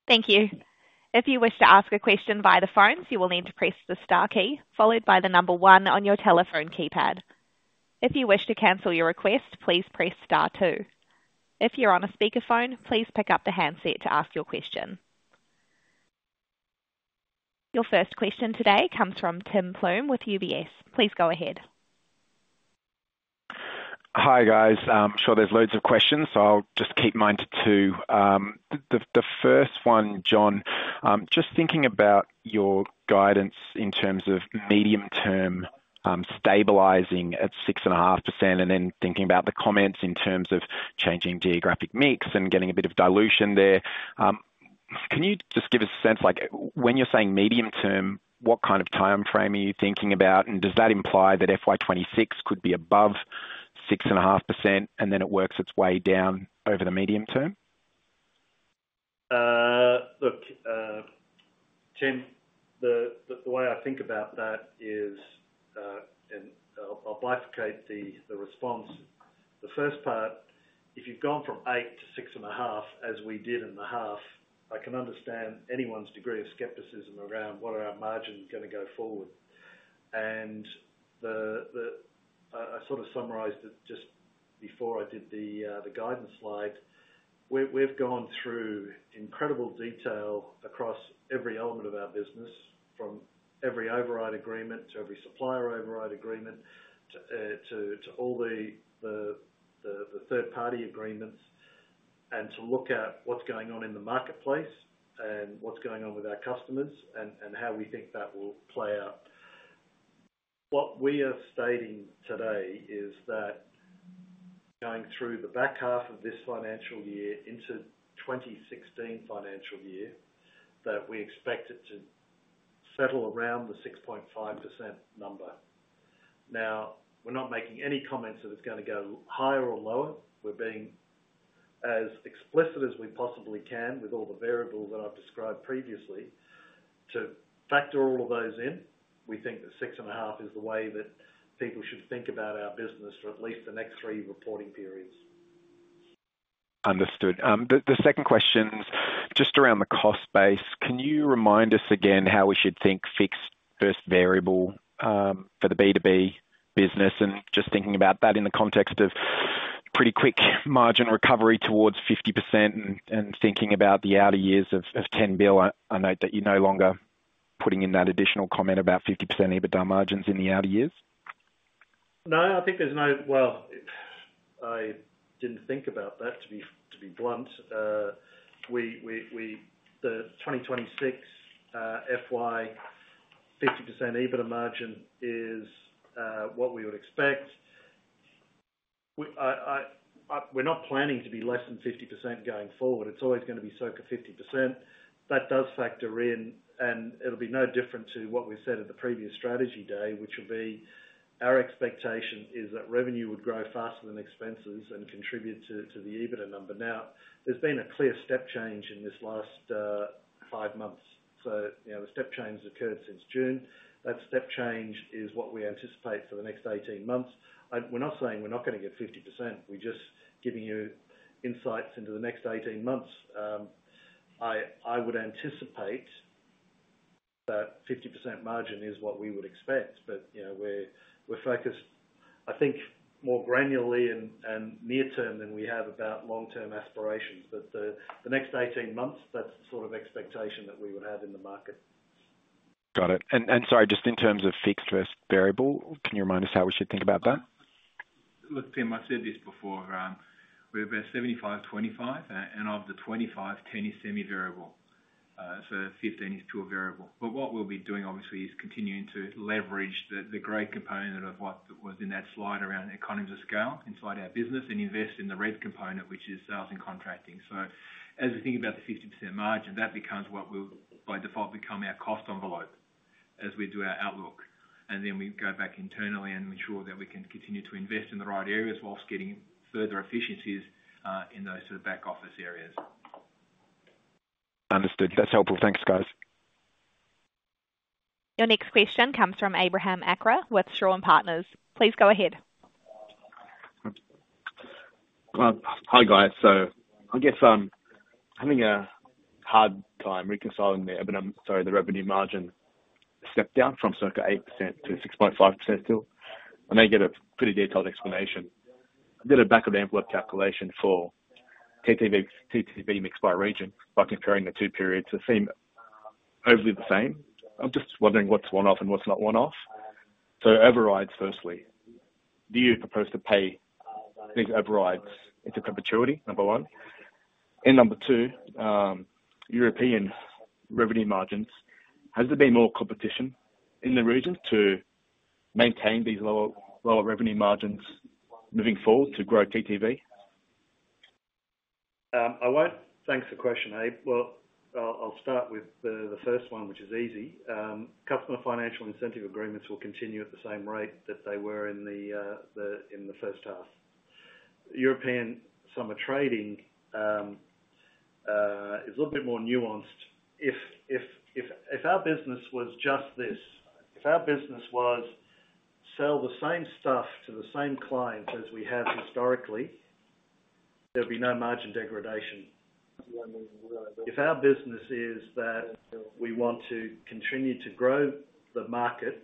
Thank you. If you wish to ask a question via the phone, you will need to press the star key, followed by the number one on your telephone keypad. If you wish to cancel your request, please press star two. If you're on a speakerphone, please pick up the handset to ask your question. Your first question today comes from Tim Plumbe with UBS. Please go ahead. Hi, guys. I'm sure there's loads of questions, so I'll just keep mine to two. The first one, John, just thinking about your guidance in terms of medium-term stabilizing at 6.5% and then thinking about the comments in terms of changing geographic mix and getting a bit of dilution there. Can you just give us a sense? When you're saying medium-term, what kind of timeframe are you thinking about? Does that imply that FY 2026 could be above 6.5% and then it works its way down over the medium term? Look, Tim, the way I think about that is, and I'll bifurcate the response. The first part, if you've gone from 8% to 6.5%, as we did in the half, I can understand anyone's degree of skepticism around what our margin is going to go forward. And I sort of summarized it just before I did the guidance slide. We've gone through incredible detail across every element of our business, from every override agreement to every supplier override agreement to all the third-party agreements, and to look at what's going on in the marketplace and what's going on with our customers and how we think that will play out. What we are stating today is that going through the back half of this financial year into 2016 financial year, that we expect it to settle around the 6.5% number. Now, we're not making any comments that it's going to go higher or lower. We're being as explicit as we possibly can with all the variables that I've described previously to factor all of those in. We think that six and a half is the way that people should think about our business for at least the next three reporting periods. Understood. The second question's just around the cost base. Can you remind us again how we should think fixed first variable for the B2B business? Just thinking about that in the context of pretty quick margin recovery towards 50% and thinking about the outer years of 10 billion, I note that you're no longer putting in that additional comment about 50% EBITDA margins in the outer years. No, I think there's no well. I didn't think about that, to be blunt. The 2026 FY 50% EBITDA margin is what we would expect. We're not planning to be less than 50% going forward. It's always going to be so at a 50%. That does factor in, and it'll be no different to what we've said at the previous strategy day, which will be our expectation is that revenue would grow faster than expenses and contribute to the EBITDA number. Now, there's been a clear step change in this last five months. The step change has occurred since June. That step change is what we anticipate for the next 18 months. We're not saying we're not going to get 50%. We're just giving you insights into the next 18 months. I would anticipate that 50% margin is what we would expect, but we're focused, I think, more granularly and near-term than we have about long-term aspirations. But the next 18 months, that's the sort of expectation that we would have in the market. Got it. And sorry, just in terms of fixed versus variable, can you remind us how we should think about that? Look, Tim, I've said this before. We have a 75/25, and of the 25, 10 is semi-variable. So 15 is pure variable. But what we'll be doing, obviously, is continuing to leverage the great component of what was in that slide around economies of scale inside our business and invest in the red component, which is sales and contracting. So as we think about the 50% margin, that becomes what will by default become our cost envelope as we do our outlook. And then we go back internally and ensure that we can continue to invest in the right areas whilst getting further efficiencies in those sort of back office areas. Understood. That's helpful. Thanks, guys. Your next question comes from Abraham Akra with Shaw and Partners. Please go ahead. Hi, guys. So I guess having a hard time reconciling the revenue margin step down from circa 8% to 6.5% still. I may get a pretty detailed explanation. I did a back-of-the-envelope calculation for TTV mix by region by comparing the two periods. They seem overall the same. I'm just wondering what's one-off and what's not one-off. So overrides, firstly. Do you propose to pay these overrides in perpetuity, number one? And number two, European revenue margins, has there been more competition in the region to maintain these lower revenue margins moving forward to grow TTV? Thanks for the question, Abe. Well, I'll start with the first one, which is easy. Customer financial incentive agreements will continue at the same rate that they were in the first half. European summer trading is a little bit more nuanced. If our business was just this, if our business was sell the same stuff to the same clients as we have historically, there would be no margin degradation. If our business is that we want to continue to grow the market,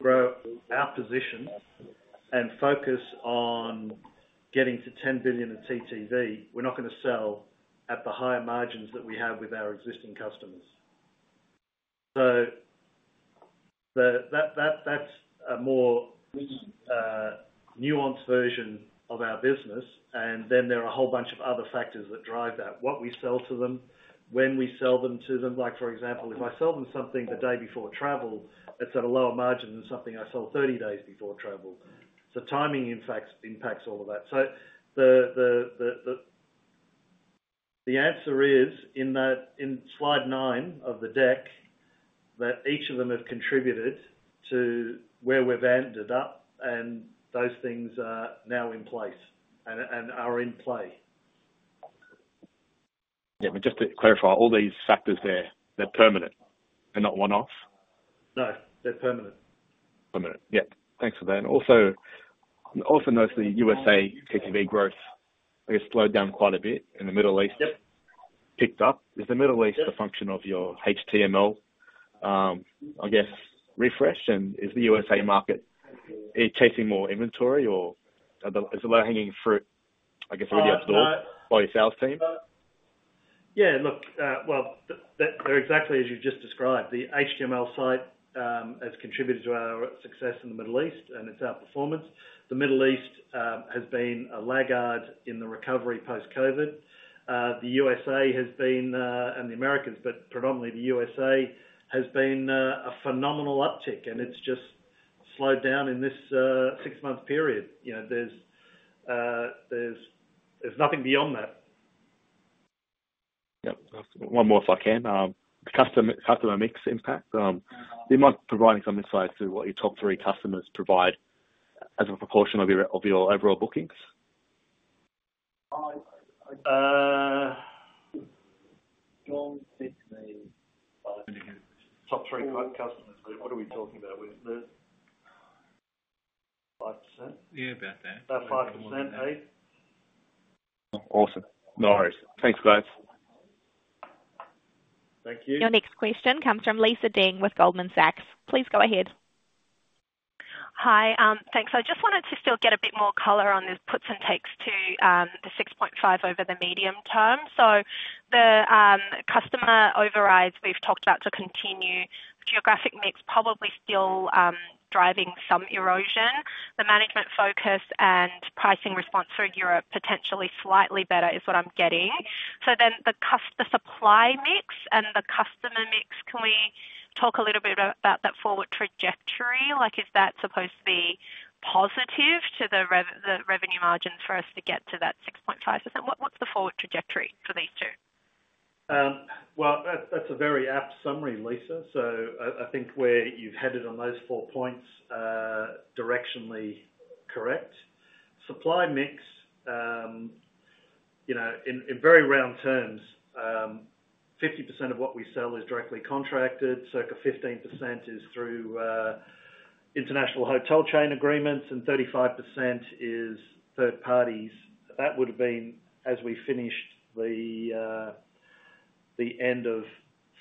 grow our position, and focus on getting to 10 billion of TTV, we're not going to sell at the higher margins that we have with our existing customers. So that's a more nuanced version of our business, and then there are a whole bunch of other factors that drive that. What we sell to them, when we sell them to them, for example, if I sell them something the day before travel, it's at a lower margin than something I sold 30 days before travel. So timing, in fact, impacts all of that. So the answer is in slide nine of the deck that each of them have contributed to where we've ended up, and those things are now in place and are in play. Yeah, but just to clarify, all these factors there, they're permanent. They're not one-off? No, they're permanent. Permanent. Yeah. Thanks for that. Also, I've also noticed the USA TTV growth, I guess, slowed down quite a bit in the Middle East, picked up. Is the Middle East a function of your HTML, I guess, refresh? And is the USA market chasing more inventory, or is the low-hanging fruit, I guess, already out the door by your sales team? Yeah. Look, well, they're exactly as you've just described. The HTML site has contributed to our success in the Middle East, and it's our performance. The Middle East has been a laggard in the recovery post-COVID. The USA has been, and the Americans, but predominantly the USA has been a phenomenal uptick, and it's just slowed down in this six-month period. There's nothing beyond that. Yep. One more, if I can. Customer mix impact. Do you mind providing some insight to what your top three customers provide as a proportion of your overall bookings? John, hit me by. 20 years. Top three customers. What are we talking about? 5%? Yeah, about that. About 5%, Abe. Awesome. No worries. Thanks for that. Thank you. Your next question comes from Lisa Deng with Goldman Sachs. Please go ahead. Hi. Thanks. I just wanted to still get a bit more color on the puts and takes to the 6.5 over the medium term. So the customer overrides we've talked about to continue. Geographic mix probably still driving some erosion. The management focus and pricing response for Europe potentially slightly better is what I'm getting. So then the supply mix and the customer mix, can we talk a little bit about that forward trajectory? Is that supposed to be positive to the revenue margins for us to get to that 6.5%? What's the forward trajectory for these two? That's a very apt summary, Lisa. I think where you've headed on those four points directionally correct. Supply mix, in very round terms, 50% of what we sell is directly contracted. Circa 15% is through international hotel chain agreements, and 35% is third parties. That would have been as we finished the end of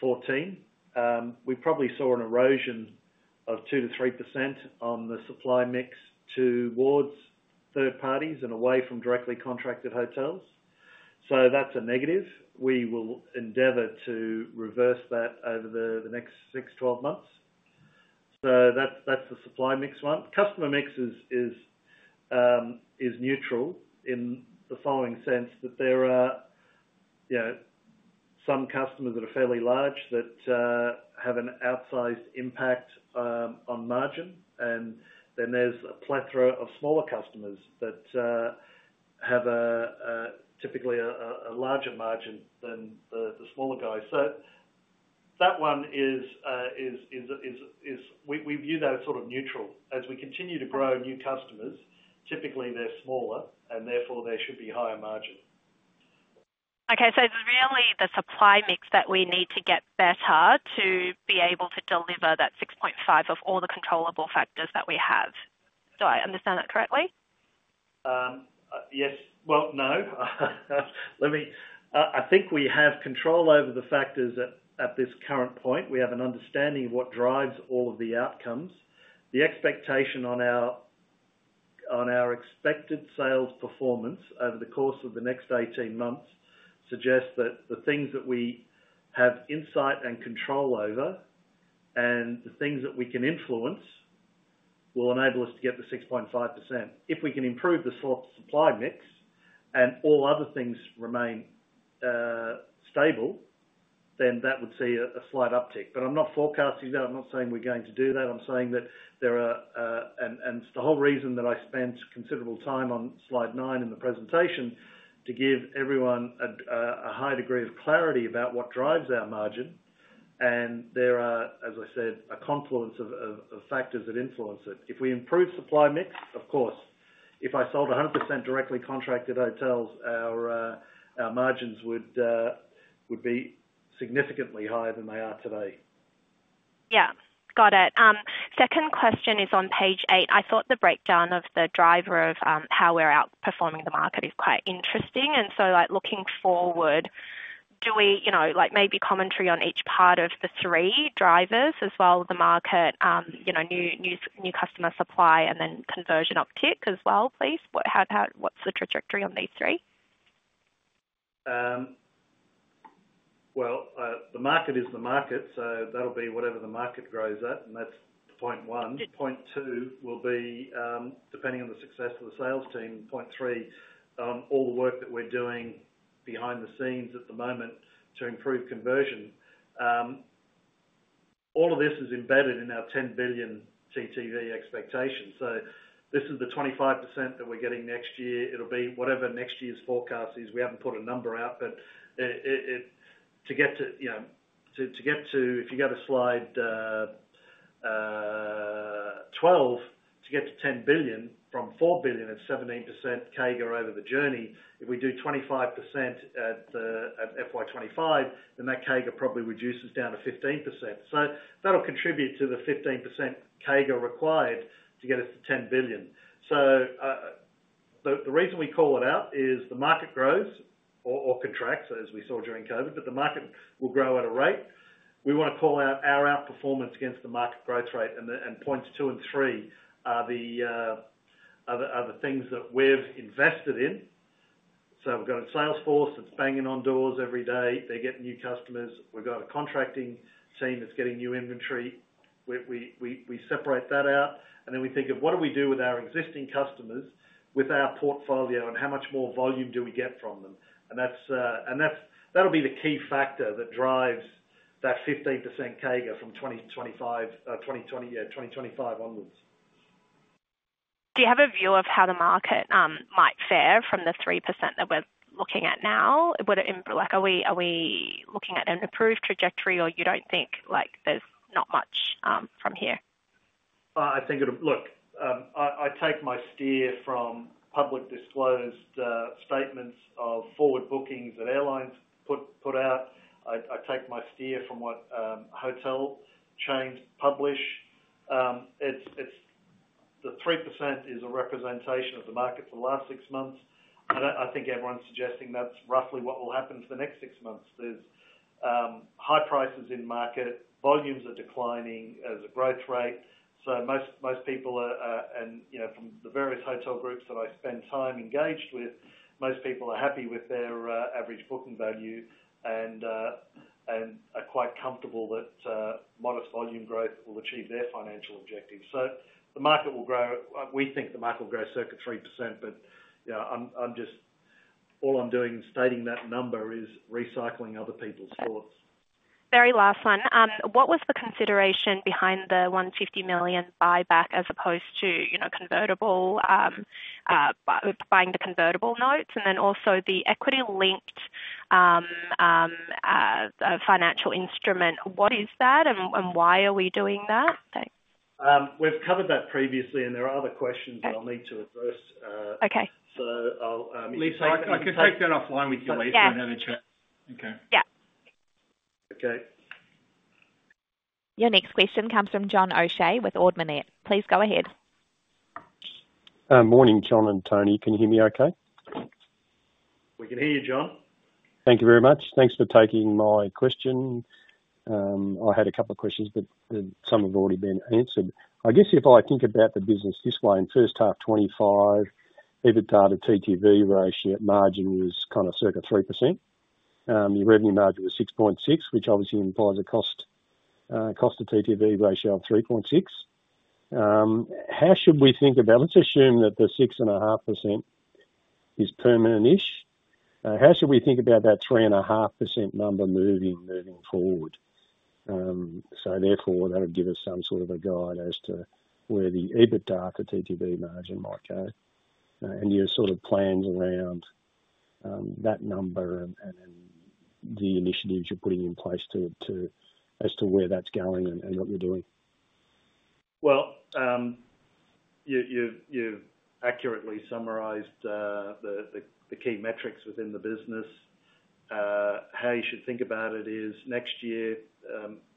2014. We probably saw an erosion of 2% to 3% on the supply mix towards third parties and away from directly contracted hotels. That's a negative. We will endeavor to reverse that over the next six, 12 months. That's the supply mix one. Customer mix is neutral in the following sense that there are some customers that are fairly large that have an outsized impact on margin, and then there's a plethora of smaller customers that have typically a larger margin than the larger guys. So that one is we view that as sort of neutral. As we continue to grow new customers, typically they're smaller, and therefore they should be higher margin. Okay. So it's really the supply mix that we need to get better to be able to deliver that 6.5% of all the controllable factors that we have. Do I understand that correctly? Yes. Well, no. I think we have control over the factors at this current point. We have an understanding of what drives all of the outcomes. The expectation on our expected sales performance over the course of the next 18 months suggests that the things that we have insight and control over and the things that we can influence will enable us to get the 6.5%. If we can improve the supply mix and all other things remain stable, then that would see a slight uptick. But I'm not forecasting that. I'm not saying we're going to do that. I'm saying that there are, and it's the whole reason that I spent considerable time on slide nine in the presentation to give everyone a high degree of clarity about what drives our margin. And there are, as I said, a confluence of factors that influence it. If we improve supply mix, of course, if I sold 100% directly contracted hotels, our margins would be significantly higher than they are today. Yeah. Got it. Second question is on page eight. I thought the breakdown of the driver of how we're outperforming the market is quite interesting, and so looking forward, do we maybe commentary on each part of the three drivers as well? The market, new customer supply, and then conversion uptick as well, please. What's the trajectory on these three? The market is the market, so that'll be whatever the market grows at, and that's point one. Point two will be, depending on the success of the sales team. Point three, all the work that we're doing behind the scenes at the moment to improve conversion. All of this is embedded in our 10 billion TTV expectation. This is the 25% that we're getting next year. It'll be whatever next year's forecast is. We haven't put a number out, but to get to if you go to slide 12, to get to 10 billion from 4 billion at 17% CAGR over the journey, if we do 25% at FY 2025, then that CAGR probably reduces down to 15%. So that'll contribute to the 15% CAGR required to get us to 10 billion. So the reason we call it out is the market grows or contracts, as we saw during COVID, but the market will grow at a rate. We want to call out our outperformance against the market growth rate, and points two and three are the things that we've invested in. So we've got a sales force that's banging on doors every day. They get new customers. We've got a contracting team that's getting new inventory. We separate that out, and then we think of what do we do with our existing customers with our portfolio and how much more volume do we get from them, and that'll be the key factor that drives that 15% CAGR from 2025 onwards. Do you have a view of how the market might fare from the 3% that we're looking at now? Are we looking at an improved trajectory, or you don't think there's not much from here? I think it'll look, I take my steer from public disclosed statements of forward bookings that airlines put out. I take my steer from what hotel chains publish. The 3% is a representation of the market for the last six months. I think everyone's suggesting that's roughly what will happen for the next six months. There's high prices in market. Volumes are declining as a growth rate. So most people, and from the various hotel groups that I spend time engaged with, most people are happy with their average booking value and are quite comfortable that modest volume growth will achieve their financial objectives. So the market will grow. We think the market will grow circa 3%, but all I'm doing stating that number is recycling other people's thoughts. Very last one. What was the consideration behind the 150 million buyback as opposed to buying the convertible notes? And then also the equity-linked financial instrument. What is that, and why are we doing that? We've covered that previously, and there are other questions that I'll need to address. So I'll take that offline with you, Lisa, and have a chat. Okay. Yeah. Okay. Your next question comes from John O'Shea with Ord Minnett. Please go ahead. Morning, John and Tony. Can you hear me okay? We can hear you, John. Thank you very much. Thanks for taking my question. I had a couple of questions, but some have already been answered. I guess if I think about the business this way, in first half 2025, EBITDA to TTV ratio margin was kind of circa 3%. Your revenue margin was 6.6%, which obviously implies a cost-to-TTV ratio of 3.6%. How should we think about it? Let's assume that the 6.5% is permanent-ish. How should we think about that 3.5% number moving forward? So therefore, that would give us some sort of a guide as to where the EBITDA to TTV margin might go. And your sort of plans around that number and the initiatives you're putting in place as to where that's going and what you're doing. Well, you've accurately summarised the key metrics within the business. How you should think about it is next year,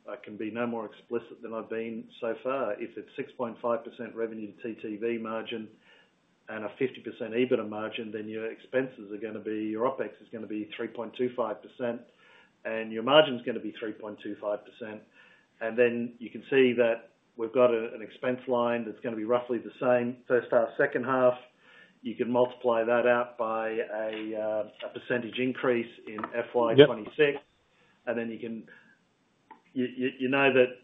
I can be no more explicit than I've been so far. If it's 6.5% revenue to TTV margin and a 50% EBITDA margin, then your expenses are going to be your OpEx is going to be 3.25%, and your margin's going to be 3.25%, and then you can see that we've got an expense line that's going to be roughly the same. First half, second half, you can multiply that out by a percentage increase in FY 2026, and then you can, you know, that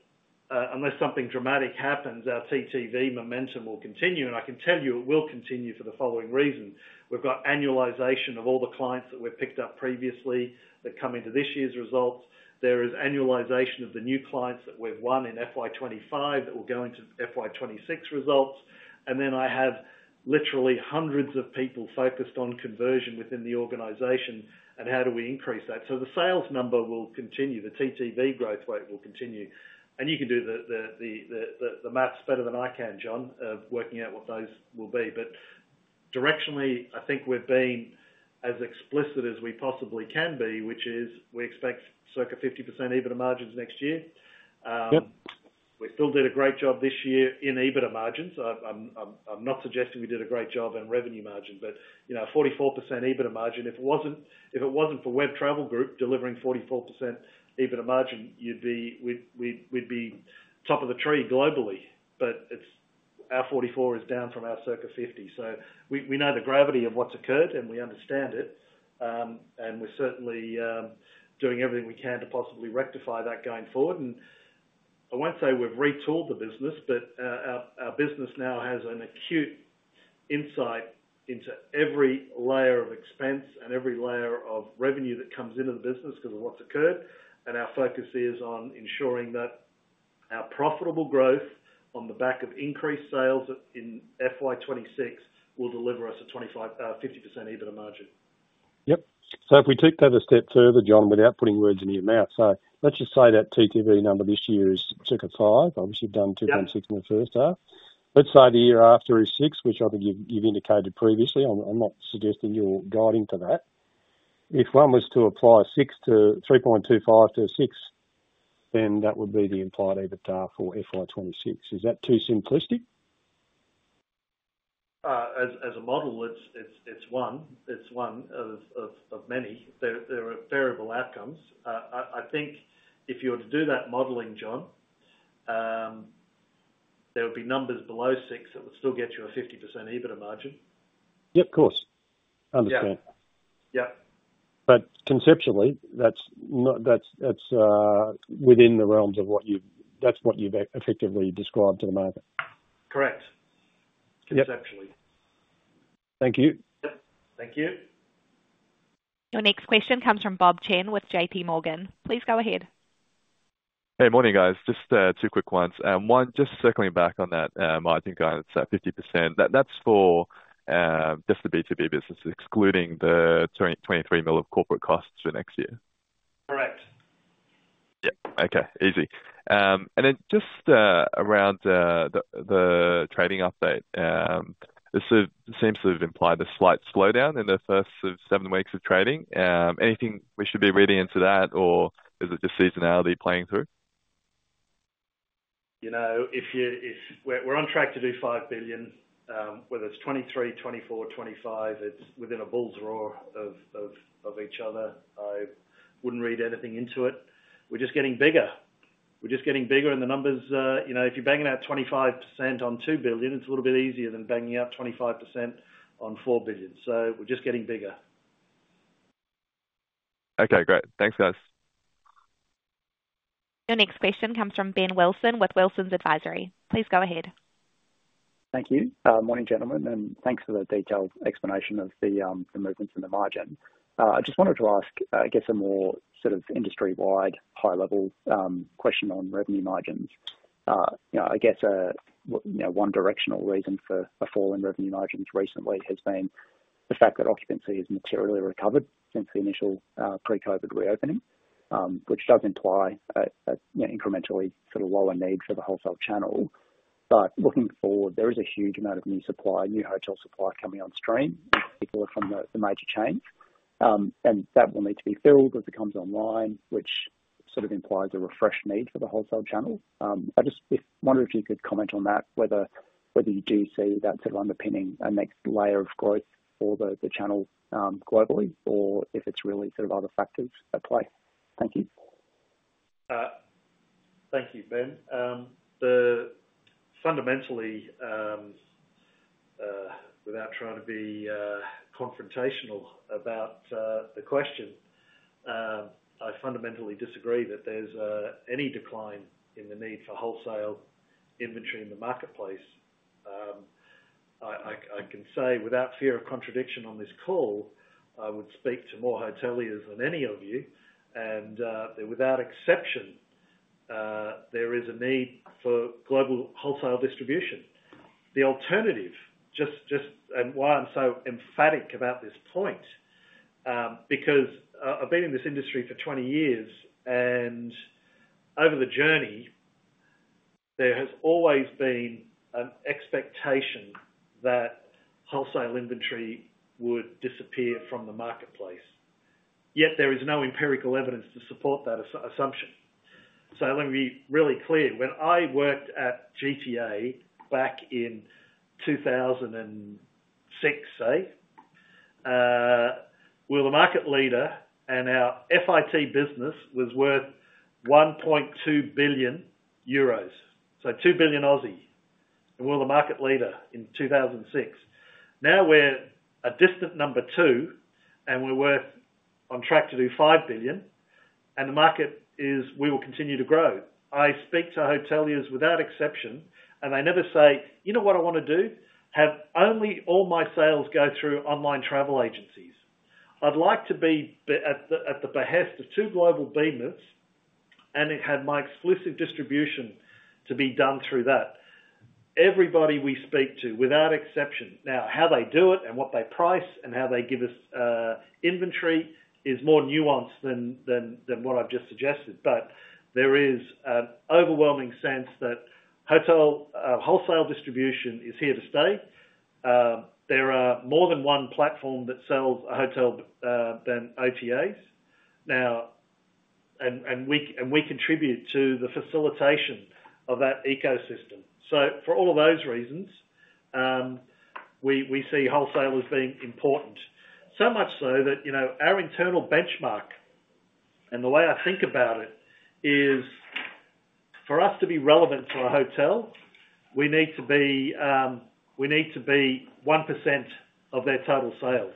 unless something dramatic happens, our TTV momentum will continue, and I can tell you it will continue for the following reason. We've got annualization of all the clients that we've picked up previously that come into this year's results, there is annualization of the new clients that we've won in FY 2025 that will go into FY 2026 results. And then I have literally hundreds of people focused on conversion within the organization, and how do we increase that? So the sales number will continue. The TTV growth rate will continue. And you can do the math better than I can, John, of working out what those will be. But directionally, I think we've been as explicit as we possibly can be, which is we expect circa 50% EBITDA margins next year. We still did a great job this year in EBITDA margins. I'm not suggesting we did a great job in revenue margin, but 44% EBITDA margin. If it wasn't for Web Travel Group delivering 44% EBITDA margin, we'd be top of the tree globally. But our 44 is down from our circa 50. So we know the gravity of what's occurred, and we understand it. We're certainly doing everything we can to possibly rectify that going forward. I won't say we've retooled the business, but our business now has an acute insight into every layer of expense and every layer of revenue that comes into the business because of what's occurred. Our focus is on ensuring that our profitable growth on the back of increased sales in FY 2026 will deliver us a 50% EBITDA margin. Yep. If we took that a step further, John, without putting words in your mouth, so let's just say that TTV number this year is circa 5. Obviously, you've done 2.6 in the first half. Let's say the year after is 6, which I think you've indicated previously. I'm not suggesting you're guiding to that. If one was to apply 3.25 to 6, then that would be the implied EBITDA for FY 2026. Is that too simplistic? As a model, it's one. It's one of many. There are variable outcomes. I think if you were to do that modeling, John, there would be numbers below 6 that would still get you a 50% EBITDA margin. Yep, of course. Understand. But conceptually, that's within the realms of what you've effectively described to the market. Correct. Conceptually. Thank you. Thank you. Your next question comes from Bob Chen with JPMorgan. Please go ahead. Hey, morning, guys. Just two quick ones. One, just circling back on that margin guidance at 50%, that's for just the B2B business, excluding the 23 million of corporate costs for next year. Correct. Yep. Okay. Easy. Then just around the trading update, this seems to have implied a slight slowdown in the first seven weeks of trading. Anything we should be reading into that, or is it just seasonality playing through? We're on track to do 5 billion. Whether it's 2023, 2024, 2025, it's within a bull's roar of each other. I wouldn't read anything into it. We're just getting bigger. We're just getting bigger, and the numbers if you're banging out 25% on 2 billion, it's a little bit easier than banging out 25% on 4 billion. So we're just getting bigger. Okay. Great. Thanks, guys. Your next question comes from Ben Wilson with Wilsons Advisory. Please go ahead. Thank you. Morning, gentlemen, and thanks for the detailed explanation of the movements in the margin. I just wanted to ask, I guess, a more sort of industry-wide high-level question on revenue margins. I guess one directional reason for a fall in revenue margins recently has been the fact that occupancy has materially recovered since the initial pre-COVID reopening, which does imply an incrementally sort of lower need for the wholesale channel. But looking forward, there is a huge amount of new supply, new hotel supply coming on stream, in particular from the major chains. And that will need to be filled as it comes online, which sort of implies a refreshed need for the wholesale channel. I just wonder if you could comment on that, whether you do see that sort of underpinning a next layer of growth for the channel globally, or if it's really sort of other factors at play. Thank you. Thank you, Ben. Fundamentally, without trying to be confrontational about the question, I fundamentally disagree that there's any decline in the need for wholesale inventory in the marketplace. I can say without fear of contradiction on this call, I would speak to more hoteliers than any of you, and without exception, there is a need for global wholesale distribution. The alternative, and why I'm so emphatic about this point, because I've been in this industry for 20 years, and over the journey, there has always been an expectation that wholesale inventory would disappear from the marketplace. Yet there is no empirical evidence to support that assumption, so let me be really clear. When I worked at GTA back in 2006, say, we were the market leader, and our FIT business was worth 1.2 billion euros. So 2 billion, and we were the market leader in 2006. Now we're a distant number two, and we're on track to do 5 billion, and the market is we will continue to grow. I speak to hoteliers without exception, and they never say, "You know what I want to do? Have only all my sales go through online travel agencies. I'd like to be at the behest of two global behemoths, and have my exclusive distribution to be done through that." Everybody we speak to, without exception, know how they do it and what they price and how they give us inventory is more nuanced than what I've just suggested. There is an overwhelming sense that hotel wholesale distribution is here to stay. There are more than one platform that sells hotels than OTAs. We contribute to the facilitation of that ecosystem. For all of those reasons, we see wholesalers being important. So much so that our internal benchmark and the way I think about it is for us to be relevant to a hotel, we need to be 1% of their total sales.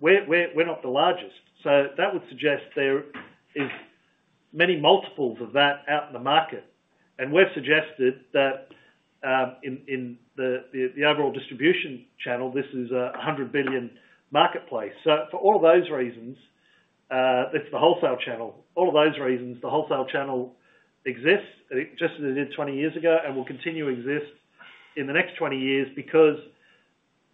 We're not the largest. So that would suggest there are many multiples of that out in the market. We've suggested that in the overall distribution channel, this is a $100 billion marketplace. So for all of those reasons, the wholesale channel exists just as it did 20 years ago and will continue to exist in the next 20 years because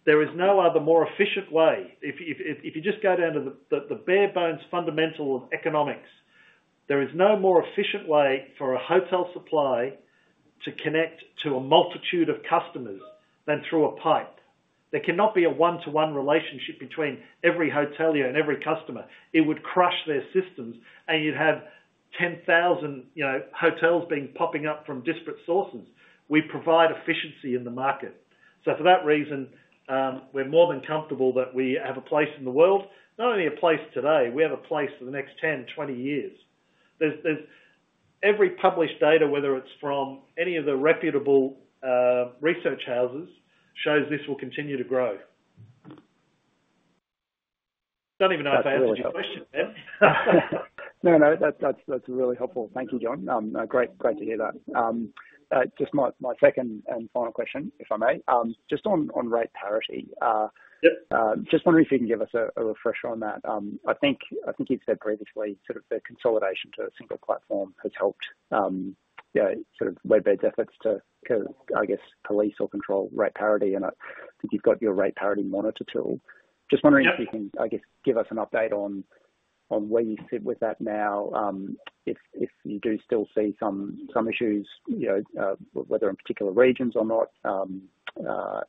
there is no other more efficient way. If you just go down to the bare bones fundamental of economics, there is no more efficient way for a hotel supply to connect to a multitude of customers than through a pipe. There cannot be a one-to-one relationship between every hotelier and every customer. It would crush their systems, and you'd have 10,000 hotels being popping up from disparate sources. We provide efficiency in the market. So for that reason, we're more than comfortable that we have a place in the world, not only a place today, we have a place for the next 10, 20 years. Every published data, whether it's from any of the reputable research houses, shows this will continue to grow. Don't even know if I answered your question, Ben. No, no. That's really helpful. Thank you, John. Great to hear that. Just my second and final question, if I may. Just on rate parity, just wondering if you can give us a refresher on that. I think you've said previously sort of the consolidation to a single platform has helped sort of WebBeds efforts to, I guess, police or control rate parity. And I think you've got your rate parity monitor tool. Just wondering if you can, I guess, give us an update on where you sit with that now, if you do still see some issues, whether in particular regions or not.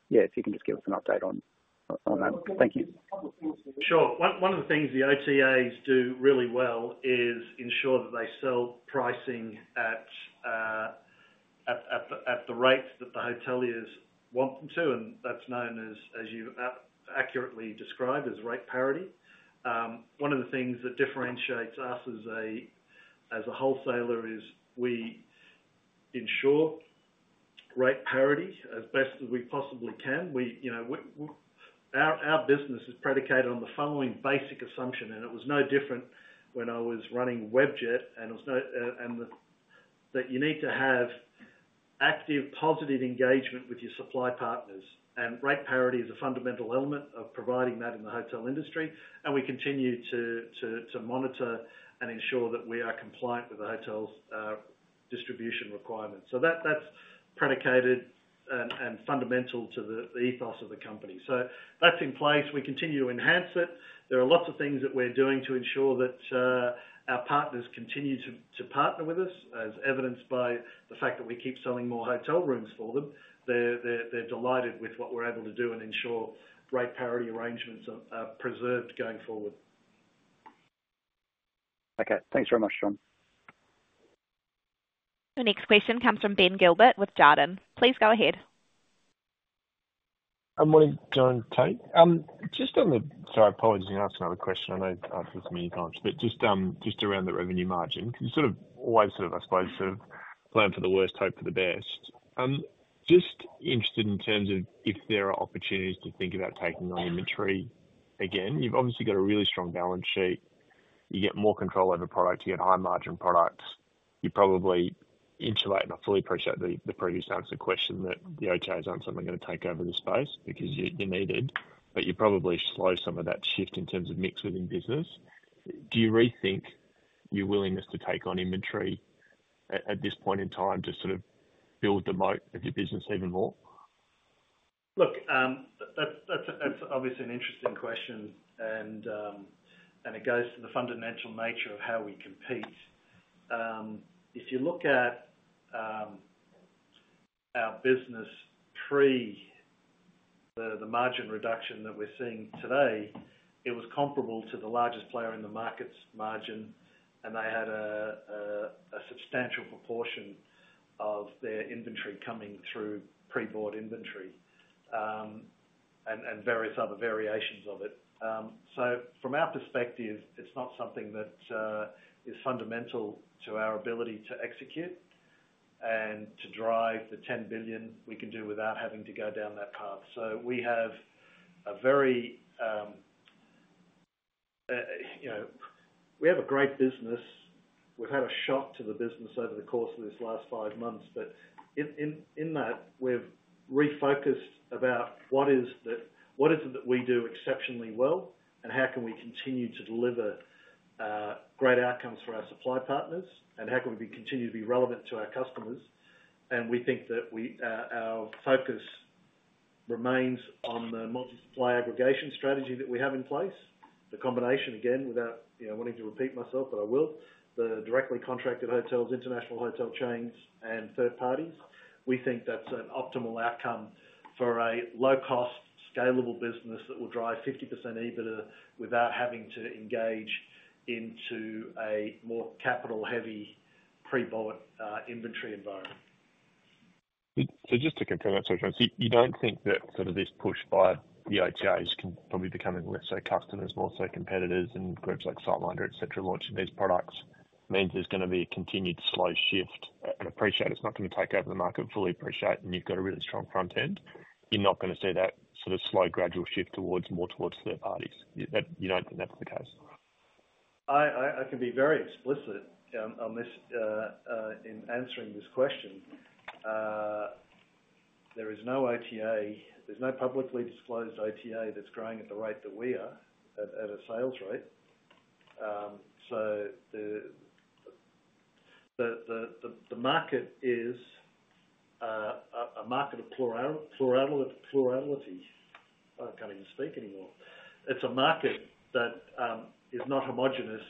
Yeah, if you can just give us an update on that. Thank you. Sure. One of the things the OTAs do really well is ensure that they sell pricing at the rates that the hoteliers want them to. And that's known, as you accurately described, as rate parity. One of the things that differentiates us as a wholesaler is we ensure rate parity as best as we possibly can. Our business is predicated on the following basic assumption, and it was no different when I was running Webjet, and that you need to have active, positive engagement with your supply partners, and rate parity is a fundamental element of providing that in the hotel industry, and we continue to monitor and ensure that we are compliant with the hotel's distribution requirements, so that's predicated and fundamental to the ethos of the company, so that's in place. We continue to enhance it. There are lots of things that we're doing to ensure that our partners continue to partner with us, as evidenced by the fact that we keep selling more hotel rooms for them. They're delighted with what we're able to do and ensure rate parity arrangements are preserved going forward. Okay. Thanks very much, John. Your next question comes from Ben Gilbert with Jarden. Please go ahead. Morning, John, Tony. Just on the, sorry, apologies, you asked another question. I know I've asked this many times, but just around the revenue margin, you sort of always sort of, I suppose, sort of plan for the worst, hope for the best. Just interested in terms of if there are opportunities to think about taking on inventory again. You've obviously got a really strong balance sheet. You get more control over product. You get high-margin products. You probably insulate, and I fully appreciate the previous answer question that the OTAs aren't something going to take over the space because you're needed, but you probably slow some of that shift in terms of mix within business. Do you rethink your willingness to take on inventory at this point in time to sort of build the moat of your business even more? Look, that's obviously an interesting question, and it goes to the fundamental nature of how we compete. If you look at our business pre the margin reduction that we're seeing today, it was comparable to the largest player in the market's margin, and they had a substantial proportion of their inventory coming through pre-bought inventory and various other variations of it. So from our perspective, it's not something that is fundamental to our ability to execute and to drive the 10 billion we can do without having to go down that path. So we have a very great business. We've had a shock to the business over the course of these last five months, but in that, we've refocused about what is it that we do exceptionally well and how can we continue to deliver great outcomes for our supply partners and how can we continue to be relevant to our customers, and we think that our focus remains on the multi-supply aggregation strategy that we have in place, the combination, again, without wanting to repeat myself, but I will, the directly contracted hotels, international hotel chains, and third parties. We think that's an optimal outcome for a low-cost, scalable business that will drive 50% EBITDA without having to engage into a more capital-heavy pre-bought inventory environment. Just to conclude that sort of thing, you don't think that sort of this push by the OTAs can probably become less so customers, more so competitors and groups like SiteMinder, etc., launching these products means there's going to be a continued slow shift. I appreciate it's not going to take over the market, fully appreciate, and you've got a really strong front end. You're not going to see that sort of slow, gradual shift towards more towards third parties. You don't think that's the case? I can be very explicit in answering this question. There is no OTA. There's no publicly disclosed OTA that's growing at the rate that we are at a sales rate. So the market is a market of plurality. I can't even speak anymore. It's a market that is not homogenous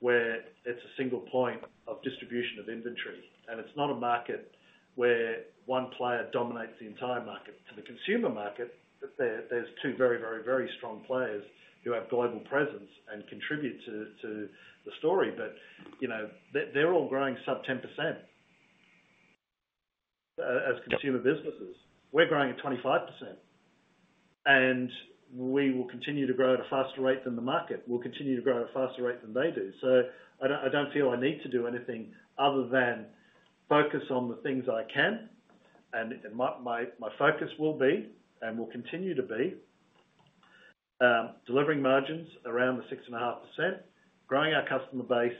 where it's a single point of distribution of inventory. It's not a market where one player dominates the entire market. To the consumer market, there's two very, very, very strong players who have global presence and contribute to the story, but they're all growing sub 10% as consumer businesses. We're growing at 25%. We will continue to grow at a faster rate than the market. We'll continue to grow at a faster rate than they do. I don't feel I need to do anything other than focus on the things I can. My focus will be and will continue to be delivering margins around the 6.5%, growing our customer base,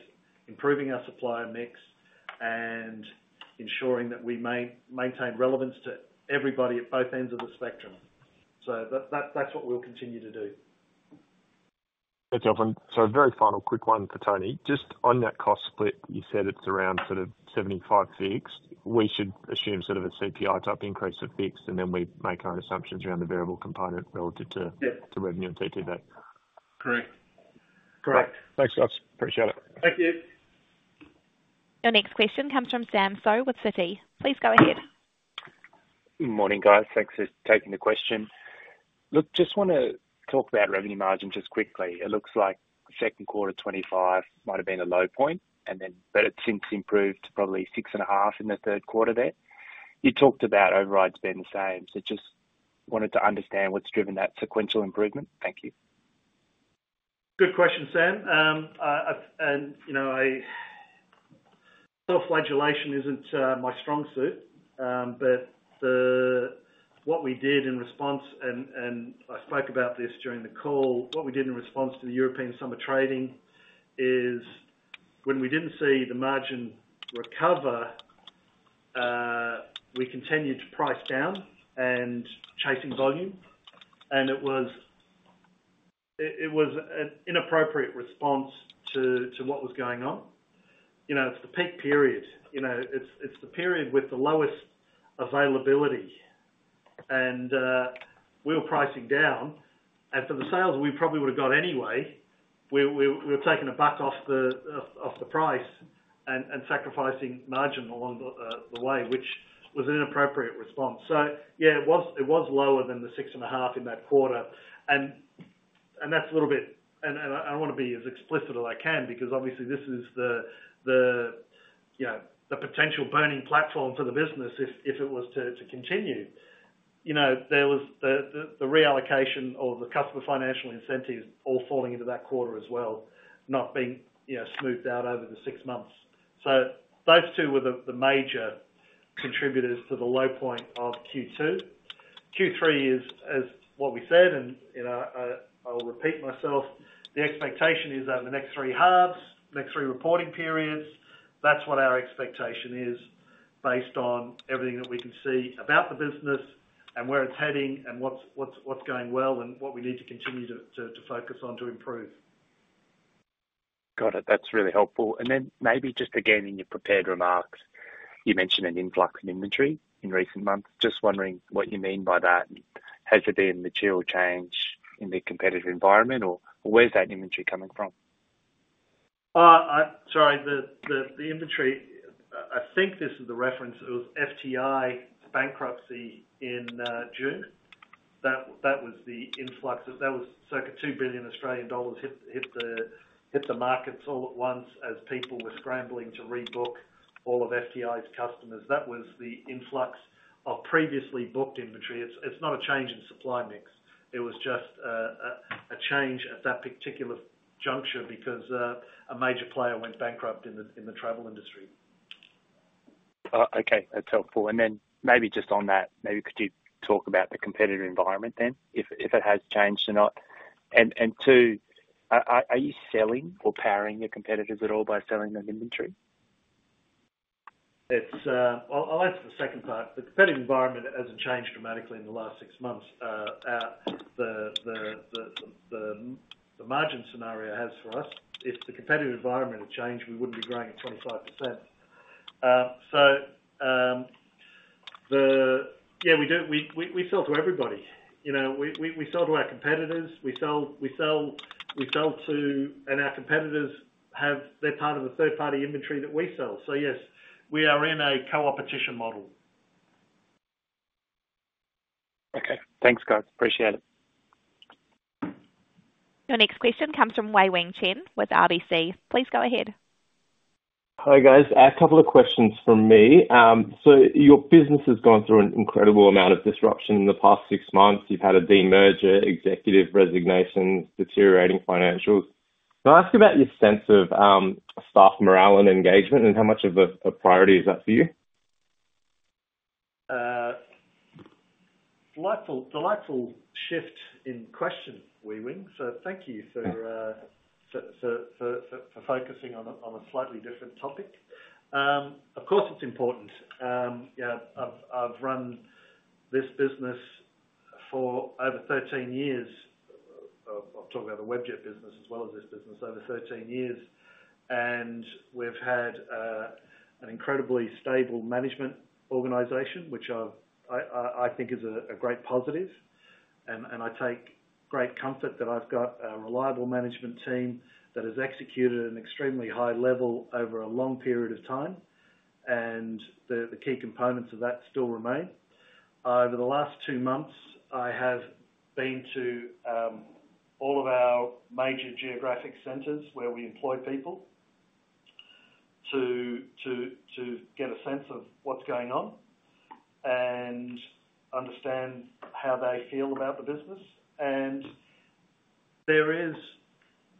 improving our supply mix, and ensuring that we maintain relevance to everybody at both ends of the spectrum. That's what we'll continue to do. Thank you, Alvin. Very final quick one for Tony. Just on that cost split, you said it's around sort of 75 fixed. We should assume sort of a CPI type increase of fixed, and then we make our assumptions around the variable component relative to revenue and TTV. Correct. Correct. Thanks, guys. Appreciate it. Thank you. Your next question comes from Sam Seow with Citi. Please go ahead. Morning, guys. Thanks for taking the question. Look, just want to talk about revenue margin just quickly. It looks like second quarter 2025 might have been a low point, but it's since improved to probably 6.5 in the Q3 there. You talked about overrides being the same. So just wanted to understand what's driven that sequential improvement. Thank you. Good question, Sam. And self-flagellation isn't my strong suit, but what we did in response, and I spoke about this during the call, what we did in response to the European summer trading is when we didn't see the margin recover, we continued to price down and chasing volume. And it was an inappropriate response to what was going on. It's the peak period. It's the period with the lowest availability. And we were pricing down. And for the sales we probably would have got anyway, we were taking a buck off the price and sacrificing margin along the way, which was an inappropriate response. So yeah, it was lower than the 6.5 in that quarter. And that's a little bit, and I want to be as explicit as I can because obviously this is the potential burning platform for the business if it was to continue. There was the reallocation or the customer financial incentives all falling into that quarter as well, not being smoothed out over the six months, so those two were the major contributors to the low point of Q2. Q3 is, as what we said, and I'll repeat myself, the expectation is that in the next three halves, next three reporting periods, that's what our expectation is based on everything that we can see about the business and where it's heading and what's going well and what we need to continue to focus on to improve. Got it. That's really helpful, and then maybe just again in your prepared remarks, you mentioned an influx of inventory in recent months. Just wondering what you mean by that. Has there been material change in the competitive environment, or where's that inventory coming from? Sorry, the inventory, I think this is the reference. It was FTI bankruptcy in June. That was the influx. That was circa 2 billion Australian dollars hit the markets all at once as people were scrambling to rebook all of FTI's customers. That was the influx of previously booked inventory. It's not a change in supply mix. It was just a change at that particular juncture because a major player went bankrupt in the travel industry. Okay. That's helpful. And then maybe just on that, maybe could you talk about the competitive environment then, if it has changed or not? And two, are you selling or powering your competitors at all by selling them inventory? I'll answer the second part. The competitive environment hasn't changed dramatically in the last six months. The margin scenario has for us. If the competitive environment had changed, we wouldn't be growing at 25%. So yeah, we sell to everybody. We sell to our competitors. We sell to—and our competitors, they're part of the third-party inventory that we sell. So yes, we are in a co-opetition model. Okay. Thanks, guys. Appreciate it. Your next question comes from Wei-Weng Chen with RBC. Please go ahead. Hi guys. A couple of questions from me. So your business has gone through an incredible amount of disruption in the past six months. You've had a demerger, executive resignations, deteriorating financials. Can I ask about your sense of staff morale and engagement, and how much of a priority is that for you? Delightful shift in question, Wei-Weng. So thank you for focusing on a slightly different topic. Of course, it's important. I've run this business for over 13 years. I'm talking about the Webjet business as well as this business, over 13 years. We've had an incredibly stable management organization, which I think is a great positive. I take great comfort that I've got a reliable management team that has executed at an extremely high level over a long period of time. The key components of that still remain. Over the last two months, I have been to all of our major geographic centers where we employ people to get a sense of what's going on and understand how they feel about the business. There is,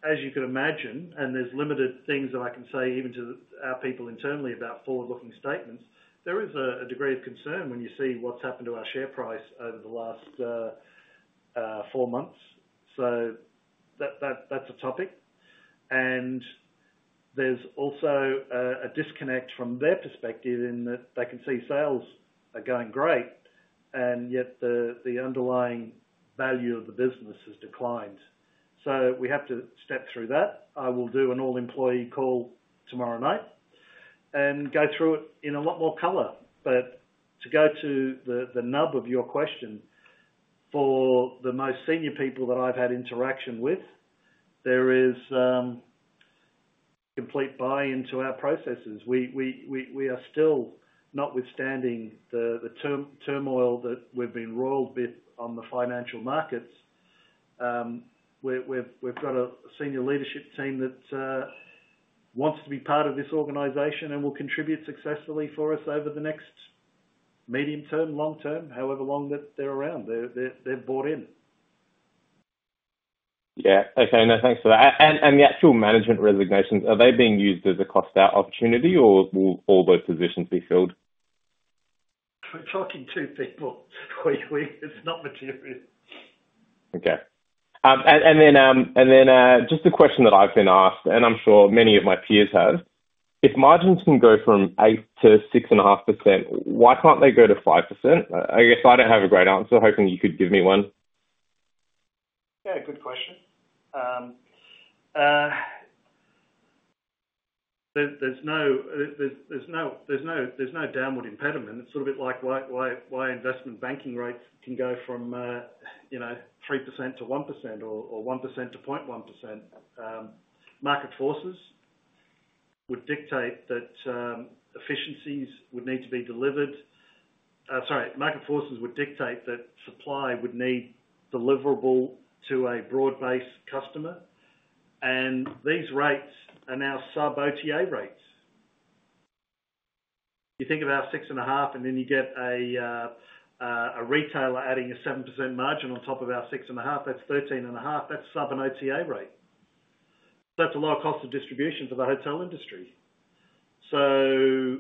as you could imagine, limited things that I can say even to our people internally about forward-looking statements. There is a degree of concern when you see what's happened to our share price over the last four months. That's a topic. And there's also a disconnect from their perspective in that they can see sales are going great, and yet the underlying value of the business has declined. So we have to step through that. I will do an all-employee call tomorrow night and go through it in a lot more color. But to go to the nub of your question, for the most senior people that I've had interaction with, there is complete buy-in to our processes. We are still notwithstanding the turmoil that we've been roiled with on the financial markets. We've got a senior leadership team that wants to be part of this organization and will contribute successfully for us over the next medium term, long term, however long that they're around. They're bought in. Yeah. Okay. No, thanks for that. The actual management resignations, are they being used as a cost-out opportunity, or will all those positions be filled? We're talking to people. It's not material. Okay. Just a question that I've been asked, and I'm sure many of my peers have. If margins can go from 8% to 6.5%, why can't they go to 5%? I guess I don't have a great answer. Hoping you could give me one. Yeah. Good question. There's no downward impediment. It's sort of like why investment banking rates can go from 3% to 1% or 1% to 0.1%. Market forces would dictate that efficiencies would need to be delivered. Sorry. Market forces would dictate that supply would need to be deliverable to a broad-based customer. These rates are now sub-OTA rates. You think of our 6.5, and then you get a retailer adding a 7% margin on top of our 6.5, that's 13.5. That's sub an OTA rate. That's a lower cost of distribution for the hotel industry. So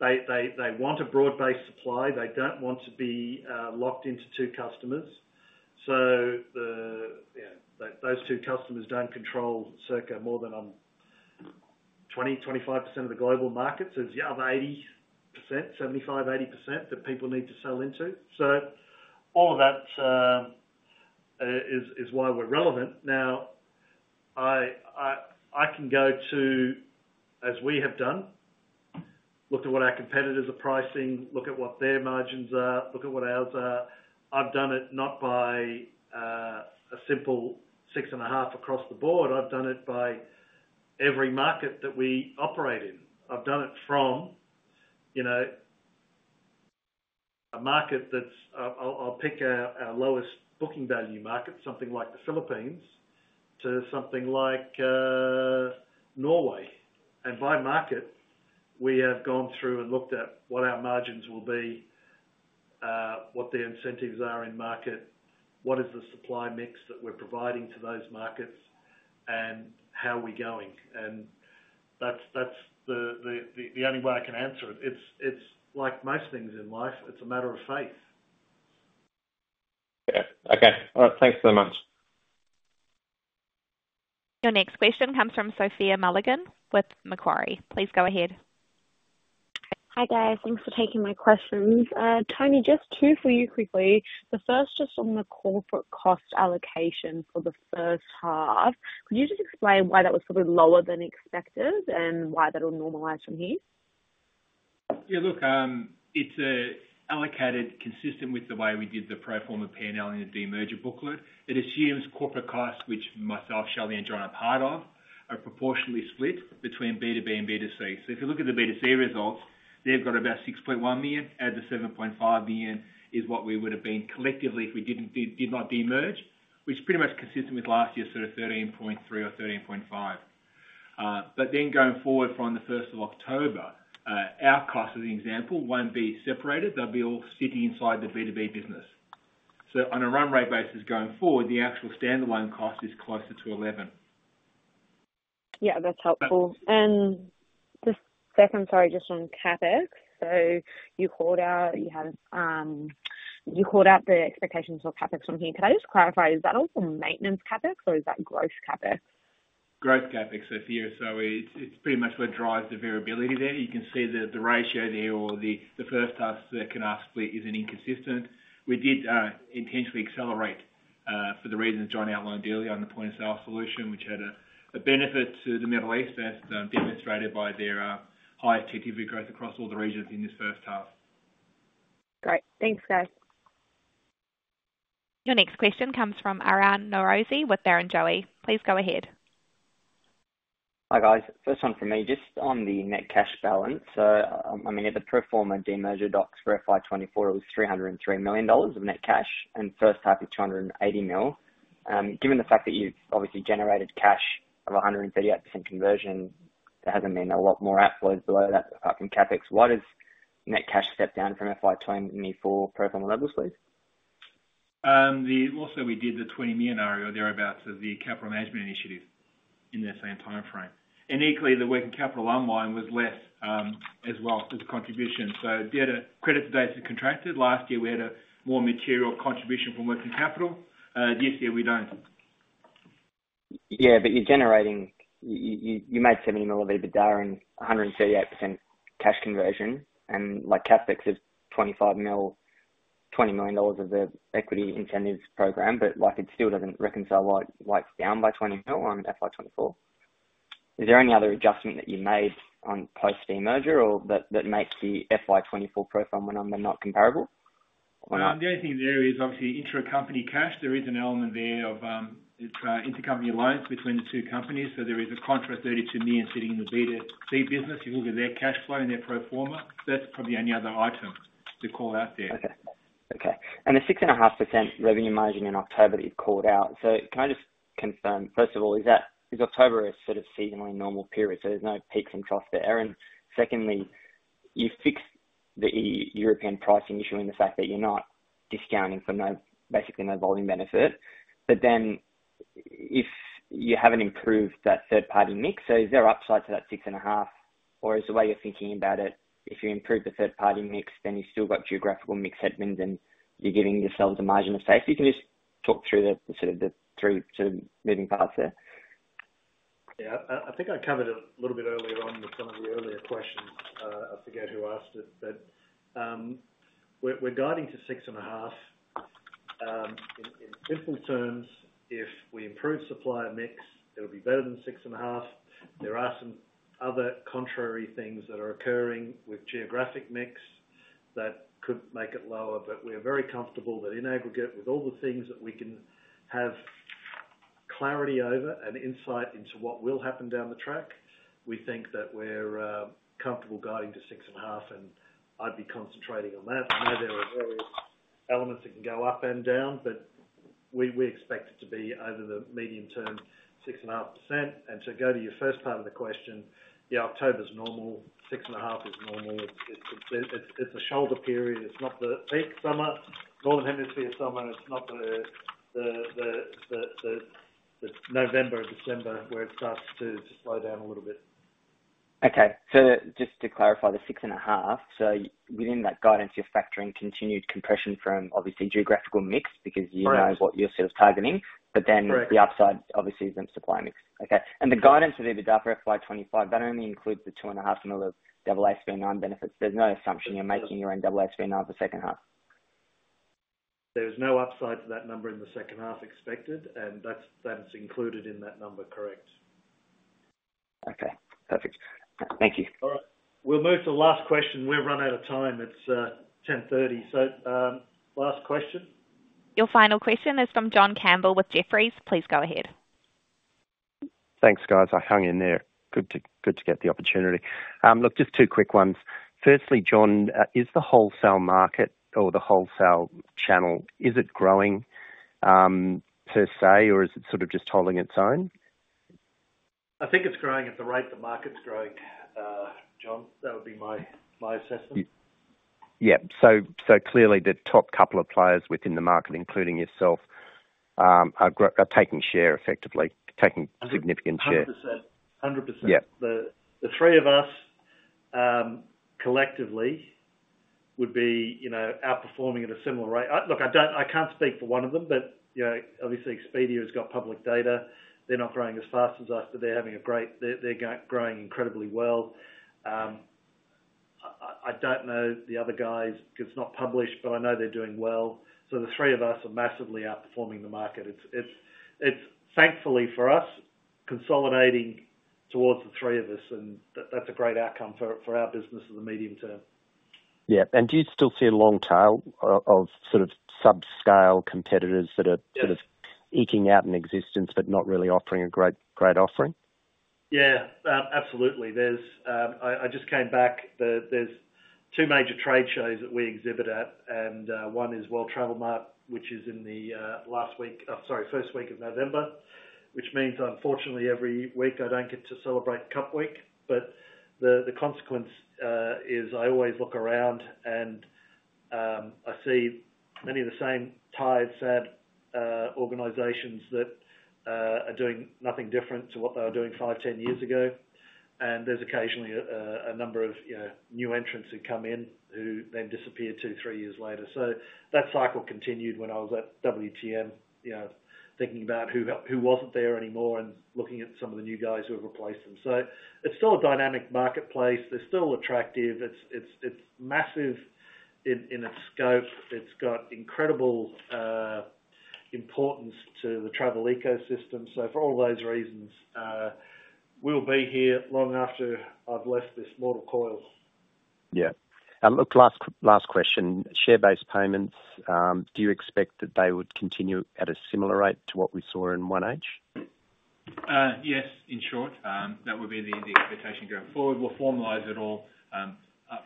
they want a broad-based supply. They don't want to be locked into two customers. So those two customers don't control circa more than 20-25% of the global market. So it's the other 80%, 75-80% that people need to sell into. So all of that is why we're relevant. Now, I can go to, as we have done, look at what our competitors are pricing, look at what their margins are, look at what ours are. I've done it not by a simple 6.5 across the board. I've done it by every market that we operate in. I've done it from a market that's. I'll pick our lowest booking value market, something like the Philippines to something like Norway. And by market, we have gone through and looked at what our margins will be, what the incentives are in market, what is the supply mix that we're providing to those markets, and how are we going. And that's the only way I can answer it. It's like most things in life. It's a matter of faith. Yeah. Okay. All right. Thanks so much. Your next question comes from Sophie Mulligan with Macquarie. Please go ahead. Hi guys. Thanks for taking my questions. Tony, just two for you quickly. The first, just on the corporate cost allocation for the first half. Could you just explain why that was probably lower than expected and why that will normalize from here? Yeah. Look, it's allocated consistent with the way we did the pro forma P&L in the demerger booklet. It assumes corporate costs, which myself, Shelley, and John are part of, are proportionally split between B2B and B2C. So if you look at the B2C results, they've got about 6.1 million. Add the 7.5 million is what we would have been collectively if we did not demerge, which is pretty much consistent with last year's sort of 13.3 or 13.5. But then going forward from the 1st of October, our cost, as an example, won't be separated. They'll be all sitting inside the B2B business. So on a run rate basis going forward, the actual standalone cost is closer to 11. Yeah. That's helpful. And just second, sorry, just on CapEx. So you called out the expectations for CapEx from here. Can I just clarify, is that all for maintenance CapEx or is that growth CapEx? Growth CapEx is here. So it's pretty much what drives the variability there. You can see that the ratio there or the first half second half split isn't inconsistent. We did intentionally accelerate for the reasons John outlined earlier on the point-of-sale solution, which had a benefit to the Middle East as demonstrated by their highest TTV growth across all the regions in this first half. Great. Thanks, guys. Your next question comes from Aryan Norozi with Barrenjoey. Please go ahead. Hi guys. First one from me. Just on the net cash balance. So I mean, at the pro forma demerger docs for FY 2024, it was AUD 303 million of net cash, and first half is 280 million. Given the fact that you've obviously generated cash of 138% conversion, there hasn't been a lot more outflows below that apart from CapEx. Why does net cash step down from FY 2024 pro forma levels, please? Also, we did the $20 million buyback thereabouts as the capital management initiative in that same timeframe. And equally, the working capital outflow was less as well as the contribution. So credit to date is contracted. Last year, we had a more material contribution from working capital. This year, we don't. Yeah. But you're generating, you made $70 million of EBITDA and 138% cash conversion, and CapEx is $25 million of the equity incentives program, but it still doesn't reconcile why it's down by $20 million on FY 2024. Is there any other adjustment that you made on post-demerger that makes the FY 2024 pro forma number not comparable? The only thing there is obviously intra-company cash. There is an element there of intercompany loans between the two companies. So there is a contract of 32 million sitting in the B2C business. You look at their cash flow and their pro forma. That's probably the only other item to call out there. Okay. Okay. And the 6.5% revenue margin in October that you've called out. So can I just confirm, first of all, is October a sort of seasonally normal period? So there's no peaks and troughs there. And secondly, you fixed the European pricing issue in fact that you're not discounting basically no volume benefit. But then if you haven't improved that third-party mix, so is there upside to that 6.5? Or is the way you're thinking about it, if you improve the third-party mix, then you've still got geographical mix headwinds and you're giving yourselves a margin of safety? Can you just talk through sort of the three sort of moving parts there? Yeah. I think I covered it a little bit earlier on with some of the earlier questions. I forget who asked it, but we're guiding to 6.5%. In simple terms, if we improve supply mix, it'll be better than 6.5%. There are some other contrary things that are occurring with geographic mix that could make it lower, but we're very comfortable that in aggregate, with all the things that we can have clarity over and insight into what will happen down the track, we think that we're comfortable guiding to 6.5%, and I'd be concentrating on that. I know there are various elements that can go up and down, but we expect it to be over the medium term, 6.5%. And to go to your first part of the question, yeah, October's normal. 6.5% is normal. It's a shoulder period. It's not the peak summer, Northern Hemisphere summer. It's not the November, December where it starts to slow down a little bit. Okay. So just to clarify, the 6.5. So within that guidance, you're factoring continued compression from obviously geographical mix because you know what you're sort of targeting. But then the upside obviously isn't supply mix. Okay. And the guidance of EBITDA for FY 2025, that only includes the 2.5 million of AASB benefits. There's no assumption you're making your own AASB for second half. There's no upside to that number in the second half expected, and that's included in that number, correct. Okay. Perfect. Thank you. All right. We'll move to the last question. We're run out of time. It's 10:30 A.M. So last question. Your final question is from John Campbell with Jefferies. Please go ahead. Thanks, guys. I hung in there. Good to get the opportunity. Look, just two quick ones. Firstly, John, is the wholesale market or the wholesale channel, is it growing per se, or is it sort of just holding its own? I think it's growing at the rate the market's growing, John. That would be my assessment. Yeah. So clearly, the top couple of players within the market, including yourself, are taking share effectively, taking significant share. 100%. 100%. The three of us collectively would be outperforming at a similar rate. Look, I can't speak for one of them, but obviously, Expedia has got public data. They're not growing as fast as us, but they're having a great, they're growing incredibly well. I don't know the other guys because it's not published, but I know they're doing well. So the three of us are massively outperforming the market. It's, thankfully for us, consolidating towards the three of us, and that's a great outcome for our business in the medium term. Yeah. And do you still see a long tail of sort of subscale competitors that are sort of eking out an existence but not really offering a great offering? Yeah. Absolutely. I just came back. There's two major trade shows that we exhibit at, and one is World Travel Market, which is in the last week, sorry, first week of November, which means, unfortunately, every week I don't get to celebrate Cup Week. But the consequence is I always look around and I see many of the same tired, sad organizations that are doing nothing different to what they were doing five, 10 years ago. And there's occasionally a number of new entrants who come in who then disappear two, three years later. So that cycle continued when I was at WTM, thinking about who wasn't there anymore and looking at some of the new guys who have replaced them. So it's still a dynamic marketplace. They're still attractive. It's massive in its scope. It's got incredible importance to the travel ecosystem. So for all those reasons, we'll be here long after I've left this mortal coil. Yeah. Look, last question. Share-based payments, do you expect that they would continue at a similar rate to what we saw in H1? Yes, in short. That would be the expectation going forward. We'll formalize it all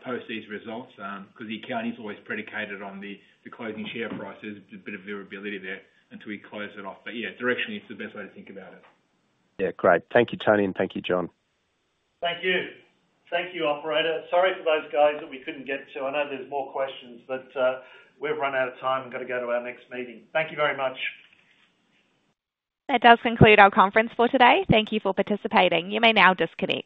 post these results because the accounting's always predicated on the closing share prices, a bit of variability there until we close it off. But yeah, directionally, it's the best way to think about it. Yeah. Great. Thank you, Tony, and thank you, John. Thank you. Thank you, operator. Sorry for those guys that we couldn't get to. I know there's more questions, but we've run out of time and got to go to our next meeting. Thank you very much. That does conclude our conference for today. Thank you for participating. You may now disconnect.